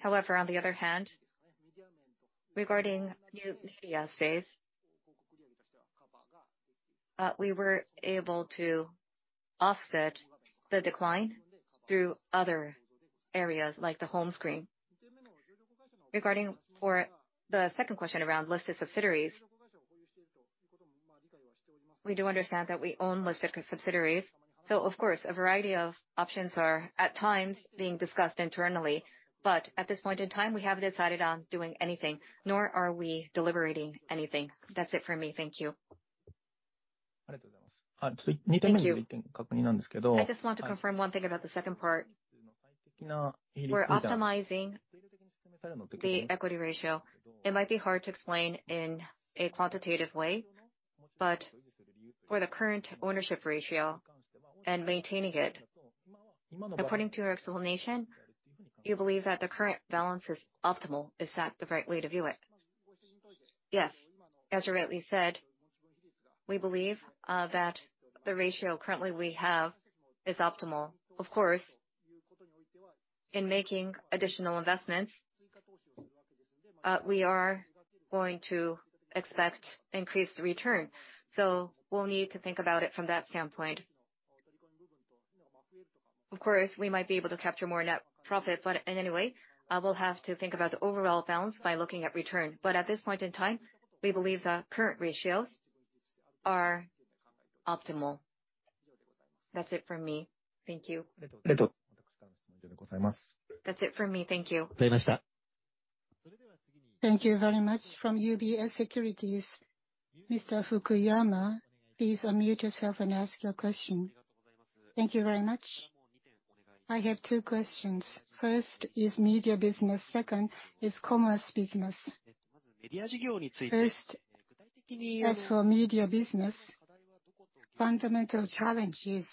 S5: However, on the other hand, regarding new media space, we were able to offset the decline through other areas like the home screen. Regarding for the second question around listed subsidiaries. We do understand that we own listed subsidiaries, so of course, a variety of options are at times being discussed internally. But at this point in time, we haven't decided on doing anything, nor are we deliberating anything. That's it for me. Thank you.
S11: Thank you. I just want to confirm one thing about the second part. We're optimizing the equity ratio. It might be hard to explain in a quantitative way, but for the current ownership ratio and maintaining it, according to your explanation, you believe that the current balance is optimal. Is that the right way to view it?
S5: Yes. As you rightly said, we believe that the ratio currently we have is optimal. Of course, in making additional investments, we are going to expect increased return, so we'll need to think about it from that standpoint. Of course, we might be able to capture more net profit, but in any way, I will have to think about the overall balance by looking at return. At this point in time, we believe the current ratios are optimal. That's it for me. Thank you.
S11: That's it for me. Thank you.
S1: Thank you very much. From UBS Securities, Mr. Fukuyama, please unmute yourself and ask your question.
S12: Thank you very much. I have two questions. First is Media business, second is Commerce business. First, as for Media business, fundamental challenges,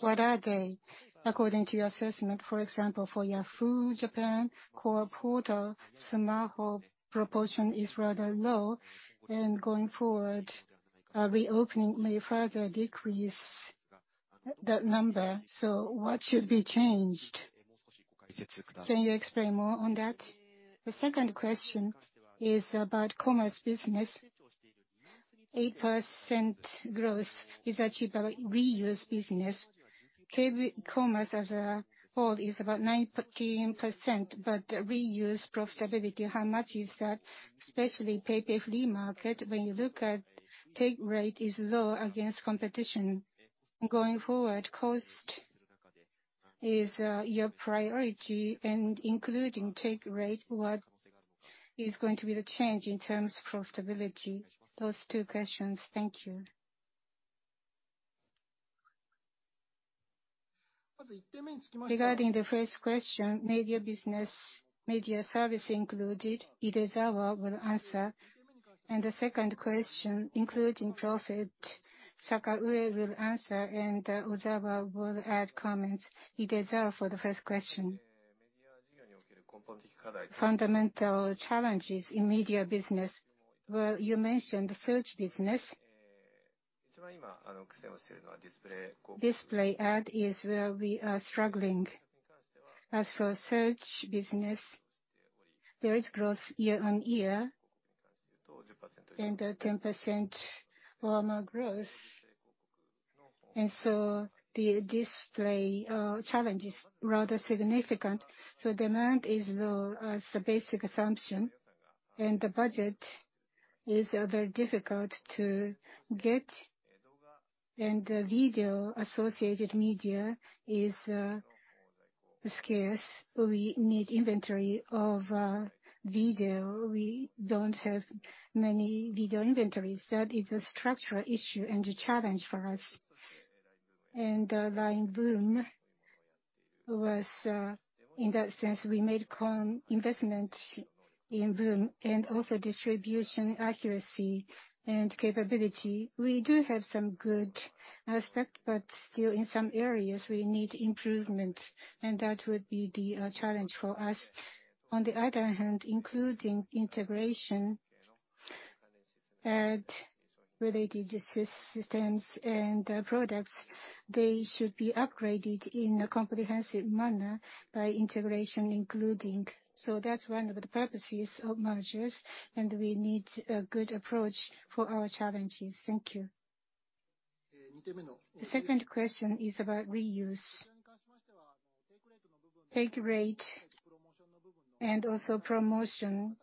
S12: what are they according to your assessment, for example, for Yahoo! Japan core portal, smartphone proportion is rather low and going forward, a reopening may further decrease that number. What should be changed? Can you explain more on that? The second question is about commerce business. 8% growth is achieved by reuse business. Commerce as a whole is about 19%, but reuse profitability, how much is that? Especially PayPay Flea Market, when you look at take rate is low against competition. Going forward, cost is your priority and including take rate, what is going to be the change in terms of profitability? Those two questions. Thank you.
S13: Regarding the first question, media business, media service included, Idezawa will answer. The second question, including profit, Sakaue will answer, and Ozawa will add comments. Idezawa for the first question.
S8: Fundamental challenges in media business were, you mentioned search business. Display ad is where we are struggling. As for search business, there is growth year on year and 10% or more growth. The display challenge is rather significant. Demand is low as the basic assumption, and the budget is very difficult to get. The video associated media is scarce. We need inventory of video. We don't have many video inventories. That is a structural issue and a challenge for us. LINE VOOM was in that sense, we made investment in VOOM and also distribution accuracy and capability. We do have some good aspect, but still in some areas we need improvement, and that would be the challenge for us. On the other hand, including integration ad-related systems and products, they should be upgraded in a comprehensive manner by integration including. That's one of the purposes of mergers, and we need a good approach for our challenges. Thank you.
S2: The second question is about reuse. Take rate and also promotion,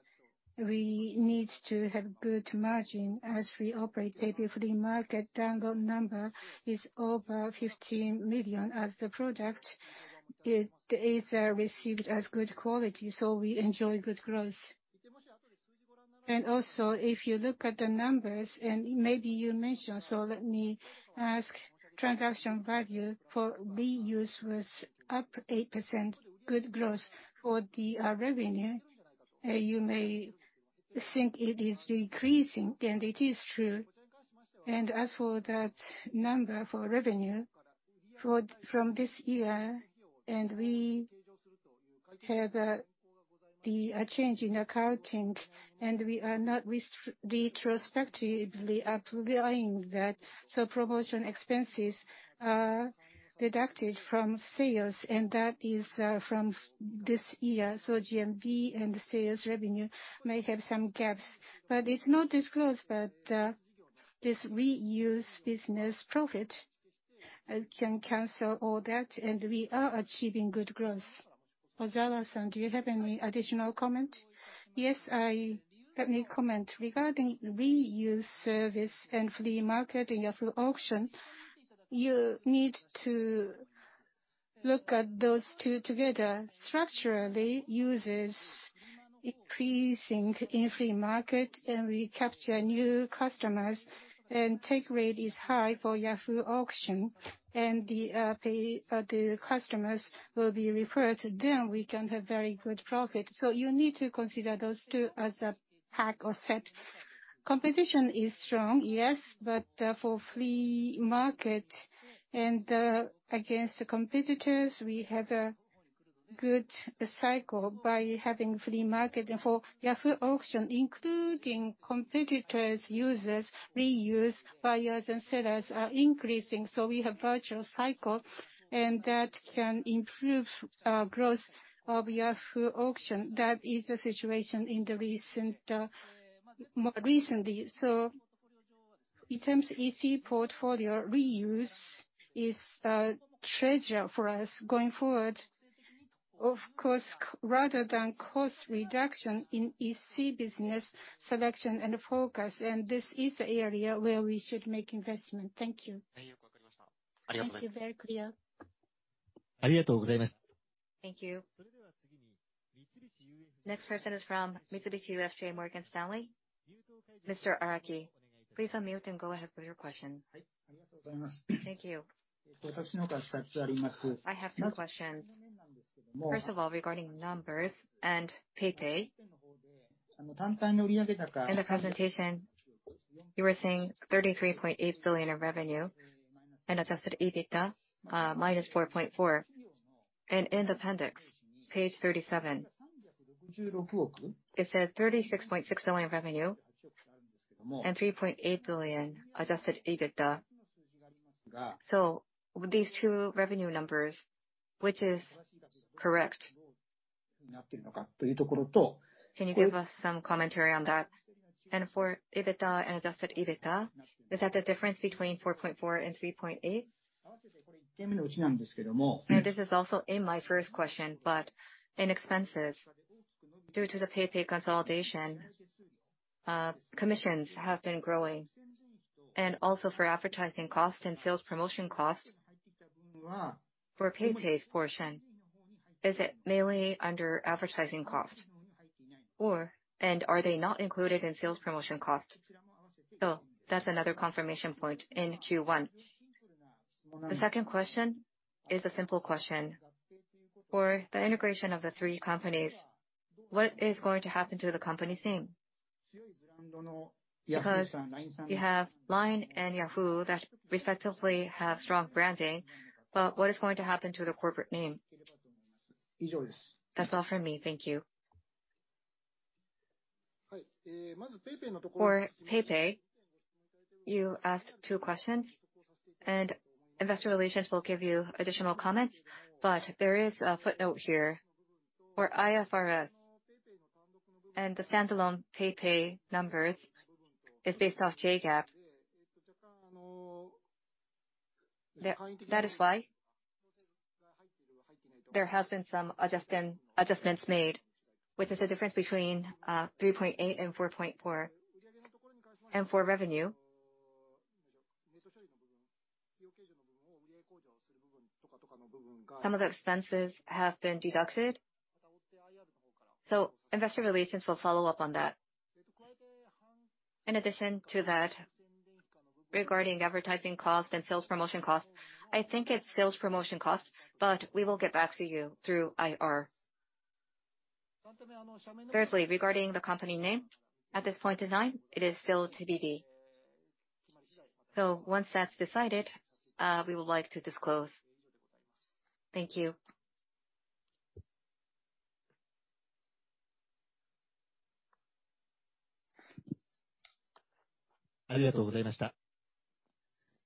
S2: we need to have good margin as we operate PayPay Flea Market download number is over 15 million as the product is received as good quality, so we enjoy good growth. If you look at the numbers, and maybe you mentioned, so let me ask transaction value for reuse was up 8%, good growth. For the revenue, you may think it is decreasing, and it is true. As for that number for revenue from this year, we had a change in accounting, and we are not retrospectively applying that. Promotion expenses are deducted from sales, and that is from this year. GMV and sales revenue may have some gaps. It's not disclosed, this reuse business profit can cancel all that, and we are achieving good growth. Ozawa-san, do you have any additional comment?
S5: Yes, let me comment. Regarding reuse service and flea market in Yahoo! Auctions, you need to look at those two together. Structurally, users increasing in flea market and we capture new customers and take rate is high for Yahoo! Auctions. The customers will be referred to them, we can have very good profit. You need to consider those two as a pack or set. Competition is strong, yes, but for flea market and against the competitors, we have a good cycle by having flea market. For Yahoo! Auctions, including competitors' users, reuse buyers and sellers are increasing, so we have virtual cycle, and that can improve growth of Yahoo! Auctions. That is the situation in the recent more recently. In terms EC portfolio, reuse is a treasure for us going forward. Of course, rather than cost reduction in EC business, selection and focus, and this is the area where we should make investment. Thank you.
S12: Thank you. Very clear.
S1: Thank you. Next person is from Mitsubishi UFJ Morgan Stanley. Mr. Araki, please unmute and go ahead with your question.
S14: Thank you. I have two questions. First of all, regarding numbers and PayPay. In the presentation, you were saying 33.8 billion in revenue and adjusted EBITDA -4.4%. In the appendix, page 37, it says 36.6 billion revenue and 3.8 billion adjusted EBITDA. With these two revenue numbers, which is correct? Can you give us some commentary on that? For EBITDA and adjusted EBITDA, is that the difference between 4.4% and 3.8 billion? Now, this is also in my first question, but in expenses, due to the PayPay consolidation, commissions have been growing. Also for advertising costs and sales promotion costs for PayPay's portion, is it mainly under advertising cost? Are they not included in sales promotion cost? That's another confirmation point in Q1. The second question is a simple question. For the integration of the three companies, what is going to happen to the company's name? You have LINE and Yahoo! that respectively have strong branding, what is going to happen to the corporate name? That's all from me. Thank you.
S3: For PayPay, you asked two questions, Investor Relations will give you additional comments. There is a footnote here for IFRS and the standalone PayPay numbers is based off JGAAP. That is why there has been some adjustments made, which is the difference between 3.8 billion and 4.4%. For revenue, some of the expenses have been deducted. Investor Relations will follow up on that. Regarding advertising cost and sales promotion cost, I think it's sales promotion cost, but we will get back to you through IR. Regarding the company name, at this point in time, it is still TBD. Once that's decided, we would like to disclose.
S14: Thank you.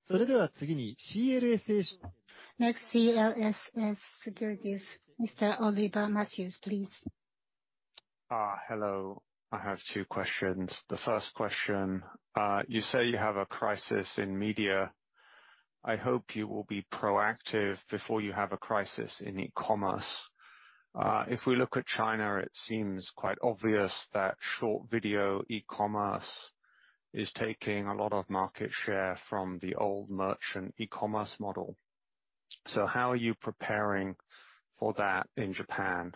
S1: Next, CLSA Securities. Mr. Oliver Matthew, please.
S15: Hello. I have two questions. The first question, you say you have a crisis in media. I hope you will be proactive before you have a crisis in e-commerce. If we look at China, it seems quite obvious that short video e-commerce is taking a lot of market share from the old merchant e-commerce model. How are you preparing for that in Japan?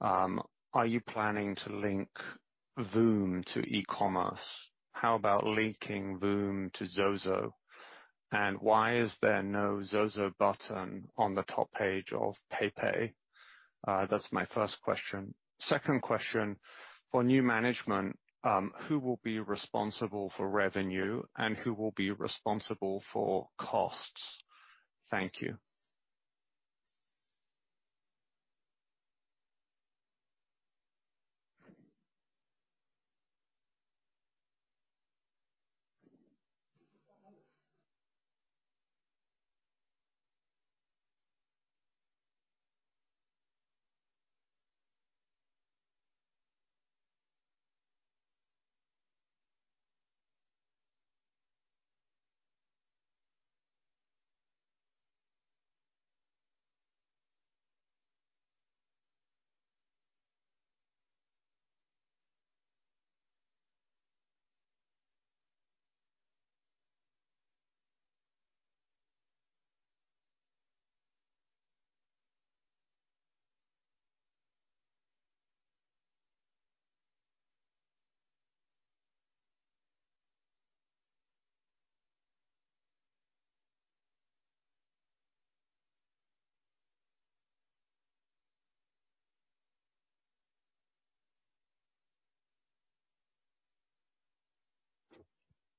S15: Are you planning to link VOOM to e-commerce? How about linking VOOM to ZOZO? Why is there no ZOZO button on the top page of PayPay? That's my first question. Second question, for new management, who will be responsible for revenue and who will be responsible for costs? Thank you.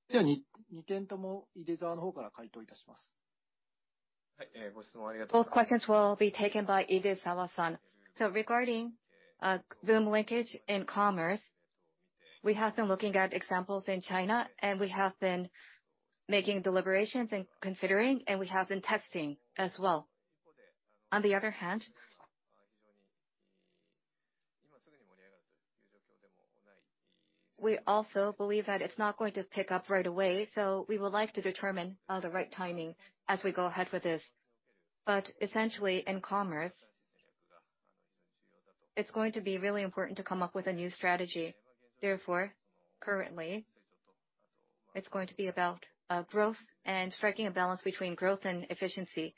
S3: Both questions will be taken by Idezawa-san.
S8: Regarding VOOM linkage in Commerce, we have been looking at examples in China and we have been making deliberations and considering, and we have been testing as well. On the other hand, we also believe that it's not going to pick up right away, so we would like to determine the right timing as we go ahead with this. Essentially, in Commerce, it's going to be really important to come up with a new strategy. Therefore, currently, it's going to be about growth and striking a balance between growth and efficiency.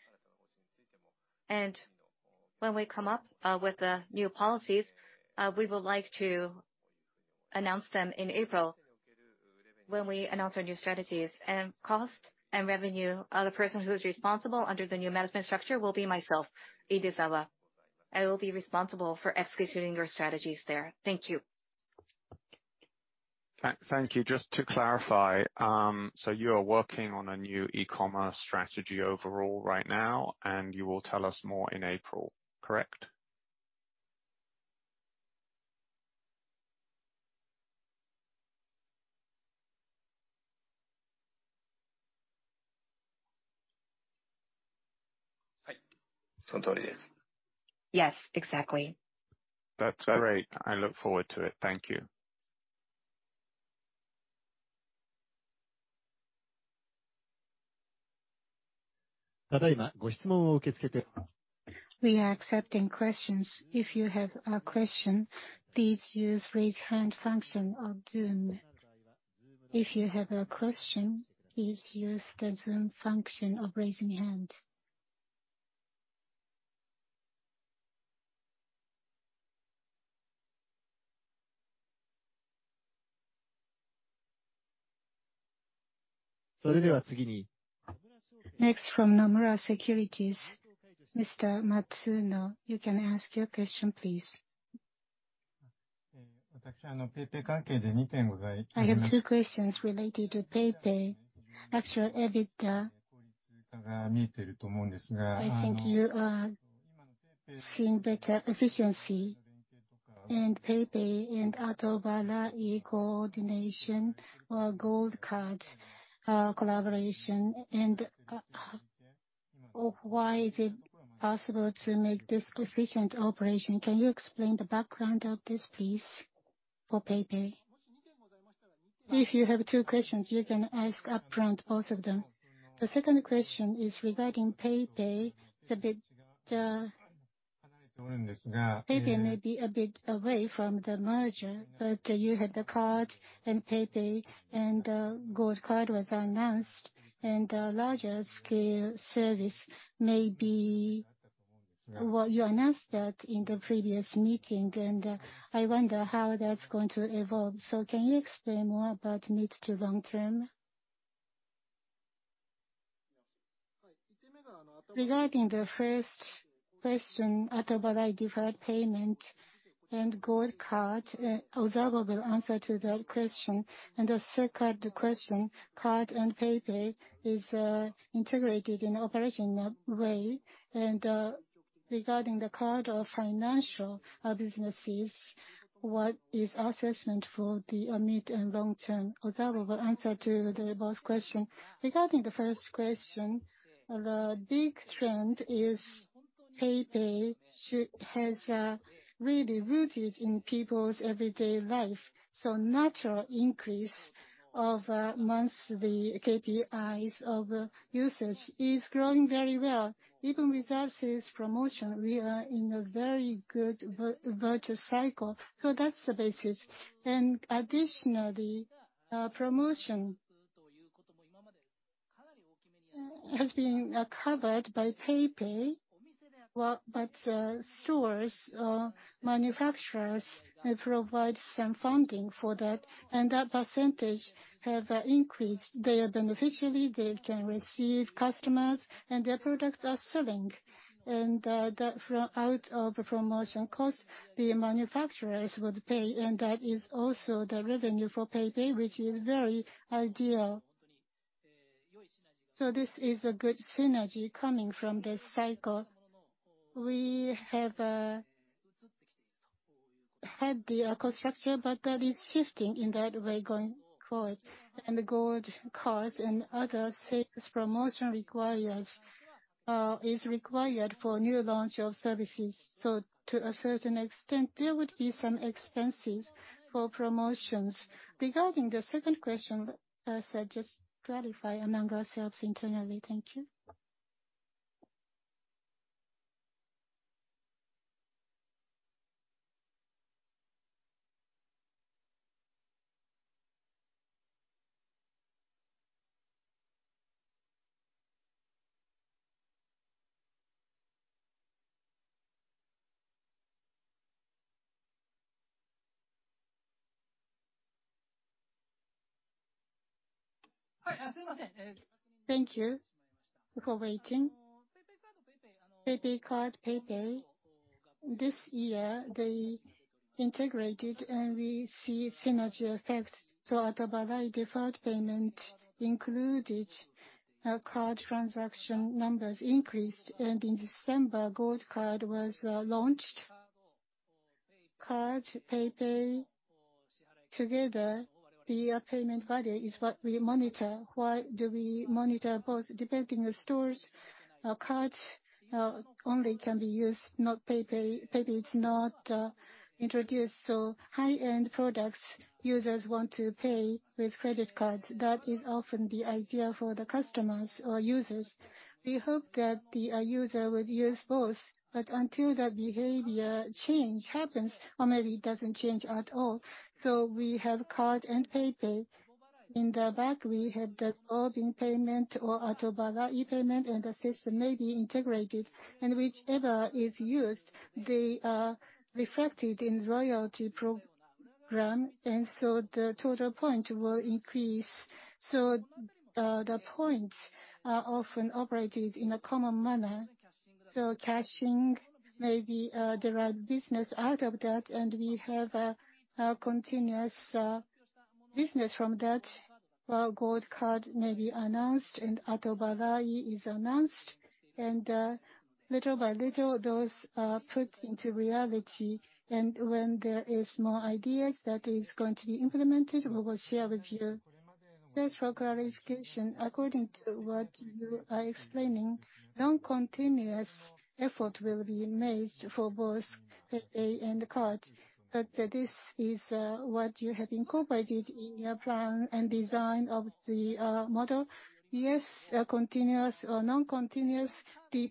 S8: When we come up with the new policies, we would like to announce them in April when we announce our new strategies. Cost and revenue, the person who is responsible under the new management structure will be myself, Idezawa. I will be responsible for executing your strategies there. Thank you.
S15: Thank you. Just to clarify, you are working on a new e-commerce strategy overall right now, and you will tell us more in April, correct?
S8: Yes, exactly.
S15: That's great. I look forward to it. Thank you.
S1: We are accepting questions. If you have a question, please use Raise Hand function of Zoom. If you have a question, please use the Zoom function of raising hand. Next, from Nomura Securities, Mr. Matsuno, you can ask your question, please.
S16: I have two questions related to PayPay. Actual EBITDA, I think you are seeing better efficiency in PayPay and PayPay Atobarai coordination or PayPay Card Gold collaboration. Why is it possible to make this efficient operation? Can you explain the background of this piece for PayPay?
S3: If you have two questions, you can ask up front both of them.
S16: The second question is regarding PayPay EBITDA. PayPay may be a bit away from the merger, but you have the card and PayPay and Gold Card was announced and a larger scale service may be what you announced that in the previous meeting, and I wonder how that's going to evolve. Can you explain more about mid to long term?
S3: Regarding the first question, Atobarai deferred payment and Gold Card, Ozawa will answer to that question. The second question, card and PayPay is integrated in operational way. Regarding the card or financial businesses, what is assessment for the mid and long term? Ozawa will answer to the both question.
S5: Regarding the first question, the big trend is PayPay has really rooted in people's everyday life, so natural increase of monthly KPIs of usage is growing very well. Even without sales promotion, we are in a very good virtual cycle. That's the basis. Additionally, promotion has been covered by PayPay, but stores, manufacturers may provide some funding for that percentage have increased. They are beneficiarily, they can receive customers, their products are selling. That out of promotion cost, the manufacturers would pay, that is also the revenue for PayPay, which is very ideal. This is a good synergy coming from this cycle. We have had the construction, that is shifting in that way going forward. The Gold cards and other sales promotion is required for new launch of services. To a certain extent, there would be some expenses for promotions. Regarding the second question, just clarify among ourselves internally. Thank you. Thank you for waiting. PayPay Card PayPay, this year, they integrated, and we see synergy effect. As to Atobarai, deferred payment included, card transaction numbers increased, and in December, Gold Card was launched. Card, PayPay, together, the payment value is what we monitor. Why do we monitor both? Depending on stores, cards only can be used, not PayPay. PayPay is not introduced. High-end products, users want to pay with credit cards. That is often the idea for the customers or users. We hope that the user would use both, but until that behavior change happens, or maybe it doesn't change at all. We have card and PayPay. In the back, we have the mobile payment or Atobarai ePayment, and the system may be integrated. Whichever is used, they are reflected in loyalty program, and so the total point will increase. The points are often operated in a common manner. Caching may be derived business out of that, and we have a continuous business from that, while Gold Card may be announced and Atobarai is announced. Little by little, those are put into reality, and when there is more ideas that is going to be implemented, we will share with you.
S16: Just for clarification, according to what you are explaining, non-continuous effort will be made for both PayPay and the Card. This is what you have incorporated in your plan and design of the model?
S3: Yes, continuous or non-continuous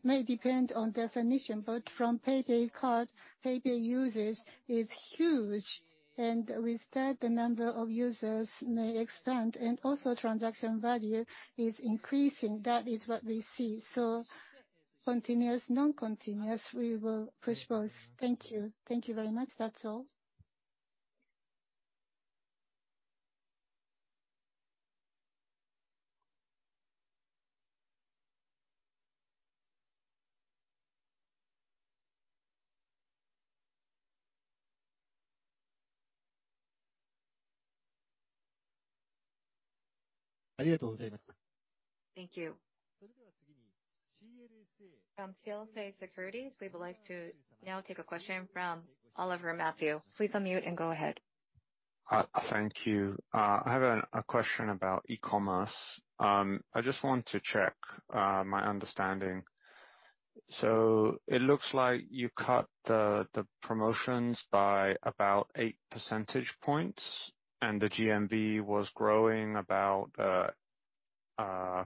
S3: may depend on definition, but from PayPay Card, PayPay users is huge, and with that, the number of users may expand, and also transaction value is increasing. That is what we see. Continuous, non-continuous, we will push both. Thank you.
S16: Thank you very much. That's all.
S1: Thank you. From CLSA Securities, we would like to now take a question from Oliver Matthew. Please unmute and go ahead.
S15: Thank you. I have a question about e-commerce. I just want to check my understanding. It looks like you cut the promotions by about 8 percentage points, and the GMV was growing about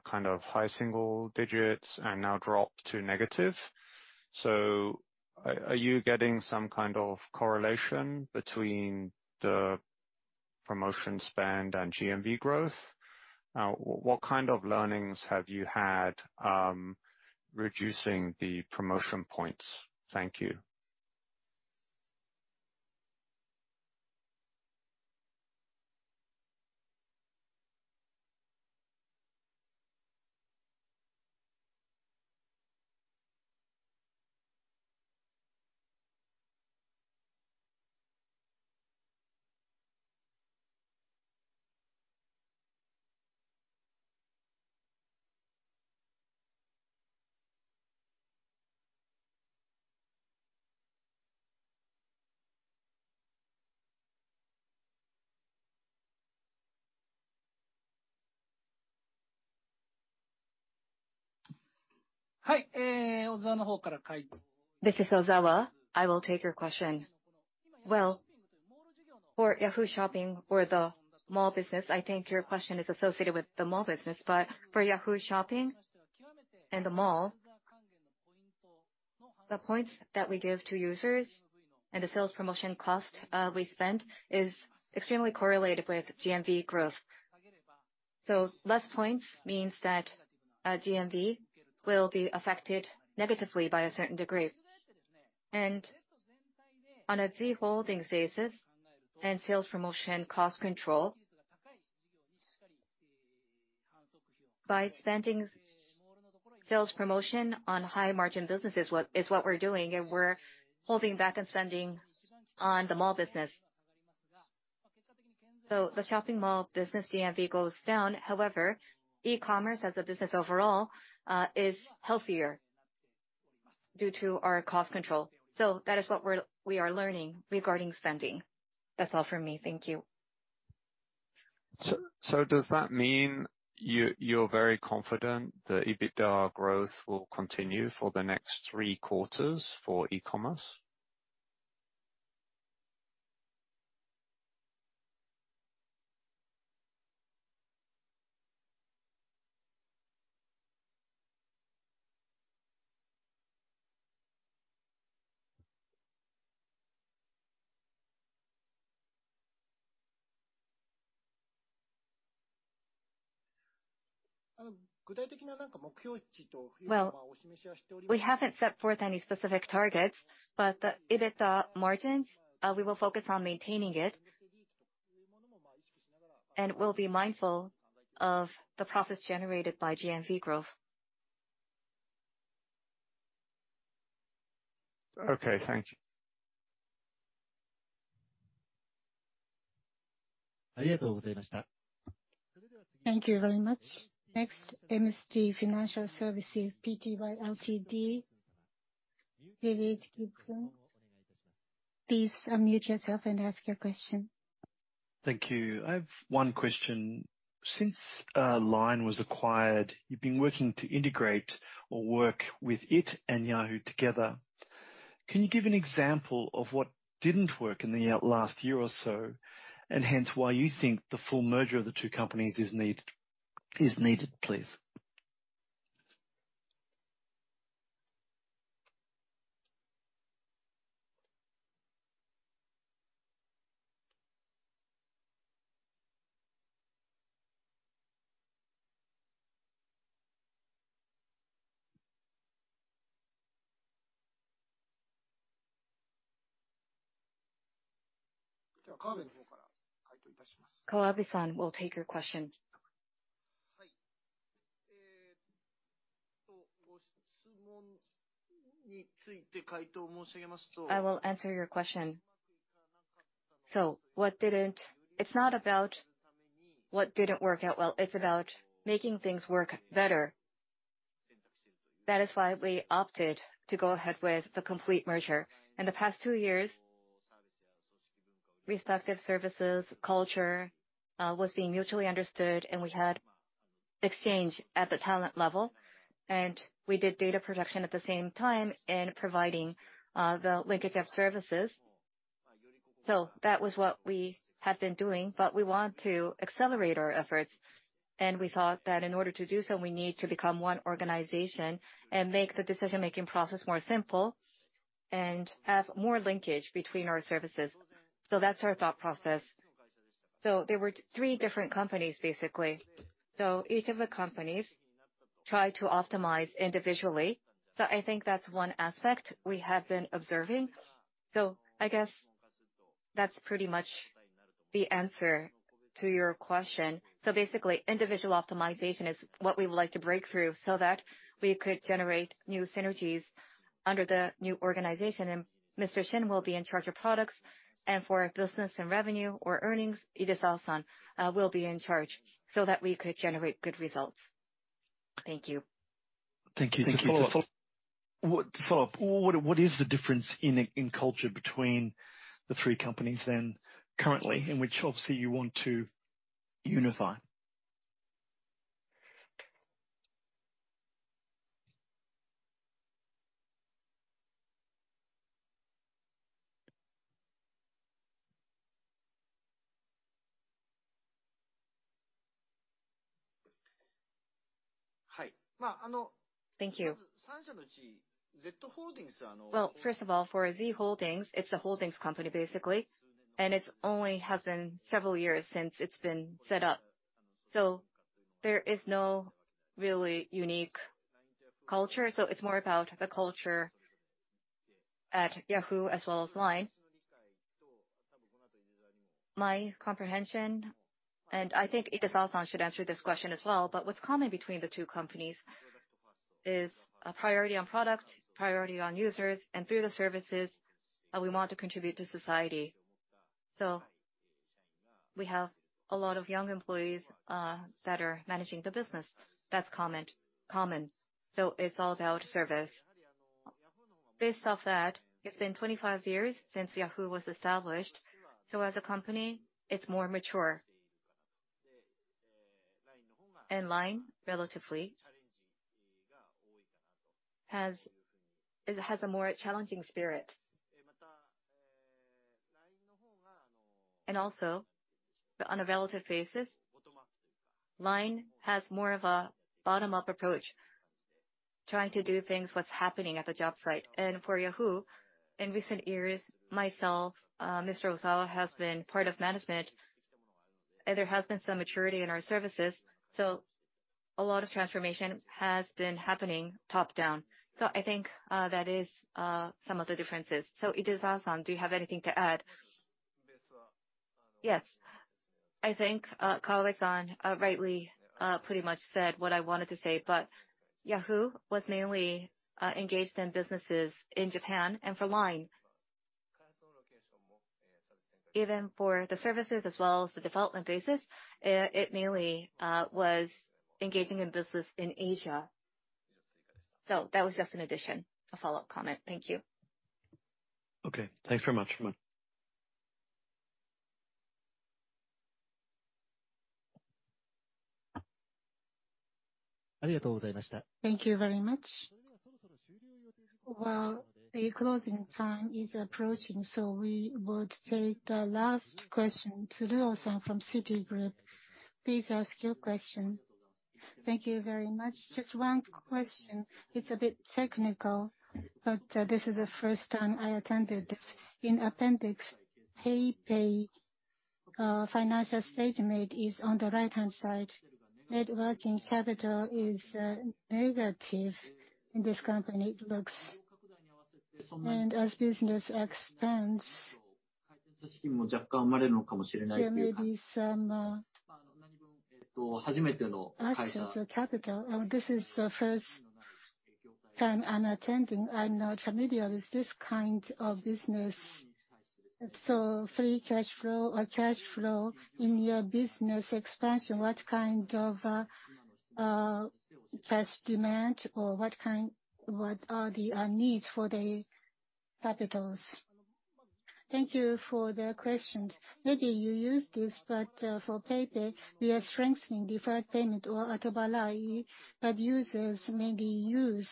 S15: kind of high single digits and now dropped to negative. Are you getting some kind of correlation between the promotion spend and GMV growth? What kind of learnings have you had reducing the promotion points? Thank you.
S5: This is Ozawa. I will take your question. Well, for Yahoo! Shopping or the mall business, I think your question is associated with the mall business. For Yahoo! Shopping and the mall, the points that we give to users and the sales promotion cost we spend is extremely correlated with GMV growth. Less points means that GMV will be affected negatively by a certain degree. On a Z Holdings basis and sales promotion cost control, by spending sales promotion on high margin businesses what, is what we're doing, and we're holding back on spending on the mall business. The shopping mall business GMV goes down. However, e-commerce as a business overall, is healthier due to our cost control. That is what we are learning regarding spending. That's all for me. Thank you.
S15: Does that mean you're very confident the EBITDA growth will continue for the next three quarters for e-commerce?
S5: Well, we haven't set forth any specific targets, but the EBITDA margins, we will focus on maintaining it. We'll be mindful of the profits generated by GMV growth.
S15: Okay. Thank you.
S1: Thank you very much. Next, MST Financial Services PTY LTD, David Gibson. Please unmute yourself and ask your question.
S17: Thank you. I have one question. Since LINE was acquired, you've been working to integrate or work with it and Yahoo! together. Can you give an example of what didn't work in the last year or so, and hence why you think the full merger of the two companies is needed, please?
S2: Kawabe-san will take your question.
S3: I will answer your question. It's not about what didn't work out well, it's about making things work better. That is why we opted to go ahead with the complete merger. In the past two years, respective services culture was being mutually understood, and we had exchange at the talent level. We did data protection at the same time and providing the linkage of services. That was what we had been doing, but we want to accelerate our efforts. We thought that in order to do so, we need to become one organization and make the decision-making process more simple and have more linkage between our services. That's our thought process. There were three different companies, basically. Each of the companies try to optimize individually. I think that's one aspect we have been observing. I guess that's pretty much the answer to your question. Basically, individual optimization is what we would like to break through so that we could generate new synergies under the new organization. Mr. Shin will be in charge of products. For business and revenue or earnings, Idezawa-san will be in charge, so that we could generate good results. Thank you.
S17: Thank you. To follow up, what is the difference in culture between the three companies then currently, in which obviously you want to unify?
S3: Thank you. Well, first of all, for Z Holdings, it's a holdings company, basically, and it's only has been several years since it's been set up. There is no really unique culture. It's more about the culture at Yahoo! as well as LINE. My comprehension, I think Idezawa-san should answer this question as well, but what's common between the two companies is a priority on product, priority on users, and through the services, we want to contribute to society. We have a lot of young employees that are managing the business. That's common. It's all about service. Based off that, it's been 25 years since Yahoo! was established, so as a company, it's more mature. LINE, relatively, has a more challenging spirit. On a relative basis, LINE has more of a bottom-up approach, trying to do things what's happening at the job site. For Yahoo!, in recent years, myself, Mr. Ozawa, has been part of management, and there has been some maturity in our services, so a lot of transformation has been happening top-down. I think that is some of the differences. Idezawa-san, do you have anything to add?
S8: Yes. I think, Kawabe-san, rightly, pretty much said what I wanted to say. Yahoo! was mainly engaged in businesses in Japan. For LINE, even for the services as well as the development basis, it mainly was engaging in business in Asia. That was just an addition, a follow-up comment. Thank you.
S17: Okay, thanks very much.
S1: Thank you very much. Well, the closing time is approaching, we would take the last question. Tsuruo-san from Citigroup, please ask your question.
S10: Thank you very much. Just one question. It's a bit technical, this is the first time I attended this. In appendix, PayPay financial statement is on the right-hand side. Net working capital is negative in this company. As business expands, there may be some access to capital. This is the first time I'm attending. I'm not familiar with this kind of business. Free cashflow or cashflow in your business expansion, what kind of cash demand or what are the needs for the capitals?
S3: Thank you for the questions. Maybe you used this, for PayPay, we are strengthening deferred payment or that users maybe use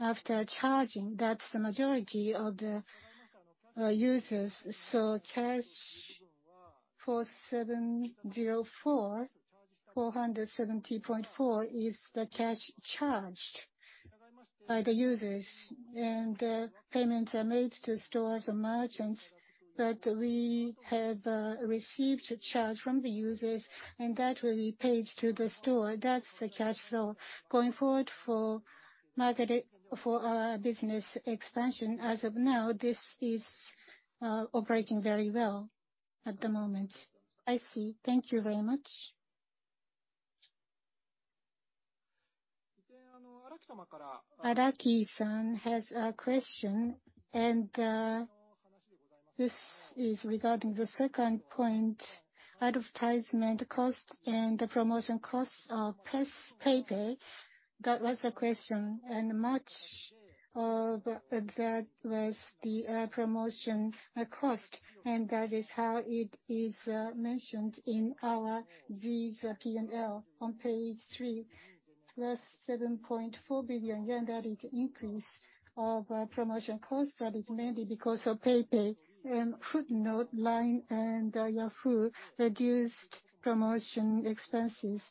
S3: after charging. That's the majority of the users. Cash, 470.4 million is the cash charged by the users. Payments are made to stores or merchants that we have received a charge from the users and that will be paid to the store. That's the cashflow. Going forward for market, for our business expansion, as of now, this is operating very well at the moment.
S10: I see. Thank you very much.
S13: Araki-san has a question, this is regarding the second point, advertisement cost and the promotion costs of PayPay. That was the question. Much of that was the promotion cost, and that is how it is mentioned in our Z's P&L on page 3. +7.4 billion yen, that is increase of promotion cost. That is mainly because of PayPay. In footnote, LINE and Yahoo! reduced promotion expenses.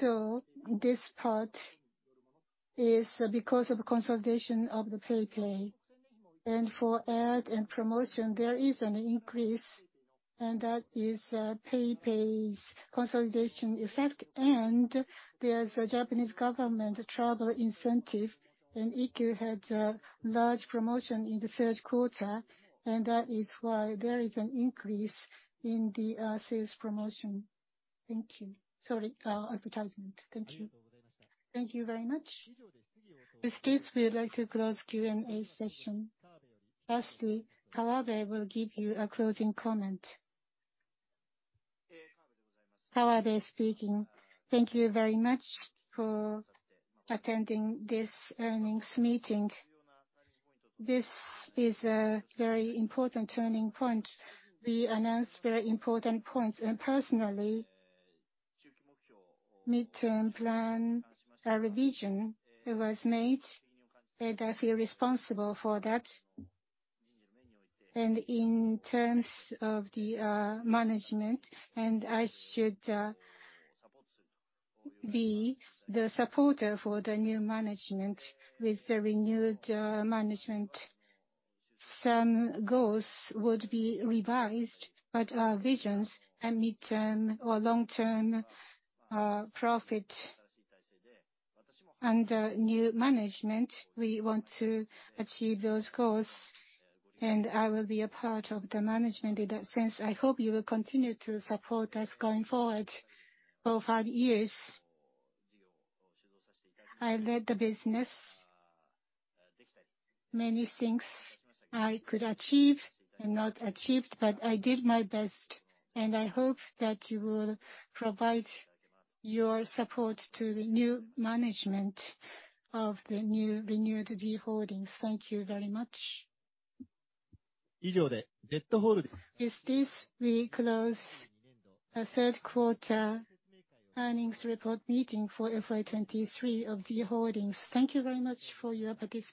S13: This part is because of consolidation of the PayPay. For ad and promotion, there is an increase, and that is PayPay's consolidation effect. There's a Japanese government travel incentive, and Yahoo! had a large promotion in the third quarter, and that is why there is an increase in the sales promotion. Thank you. Sorry, advertisement. Thank you.
S1: Thank you very much. With this, we would like to close Q&A session. Lastly, Kawabe will give you a closing comment.
S3: Kawabe speaking. Thank you very much for attending this earnings meeting. This is a very important turning point. We announced very important points. Personally, mid-term plan, a revision was made, and I feel responsible for that. In terms of the management, I should be the supporter for the new management. With the renewed management, some goals would be revised, but our visions and mid-term or long-term profit. Under new management, we want to achieve those goals, and I will be a part of the management in that sense. I hope you will continue to support us going forward. For five years, I led the business. Many things I could achieve and not achieved, but I did my best, and I hope that you will provide your support to the new management of the new, renewed Z Holdings. Thank you very much.
S1: With this, we close the third quarter earnings report meeting for FY2023 of Z Holdings. Thank you very much for your participation.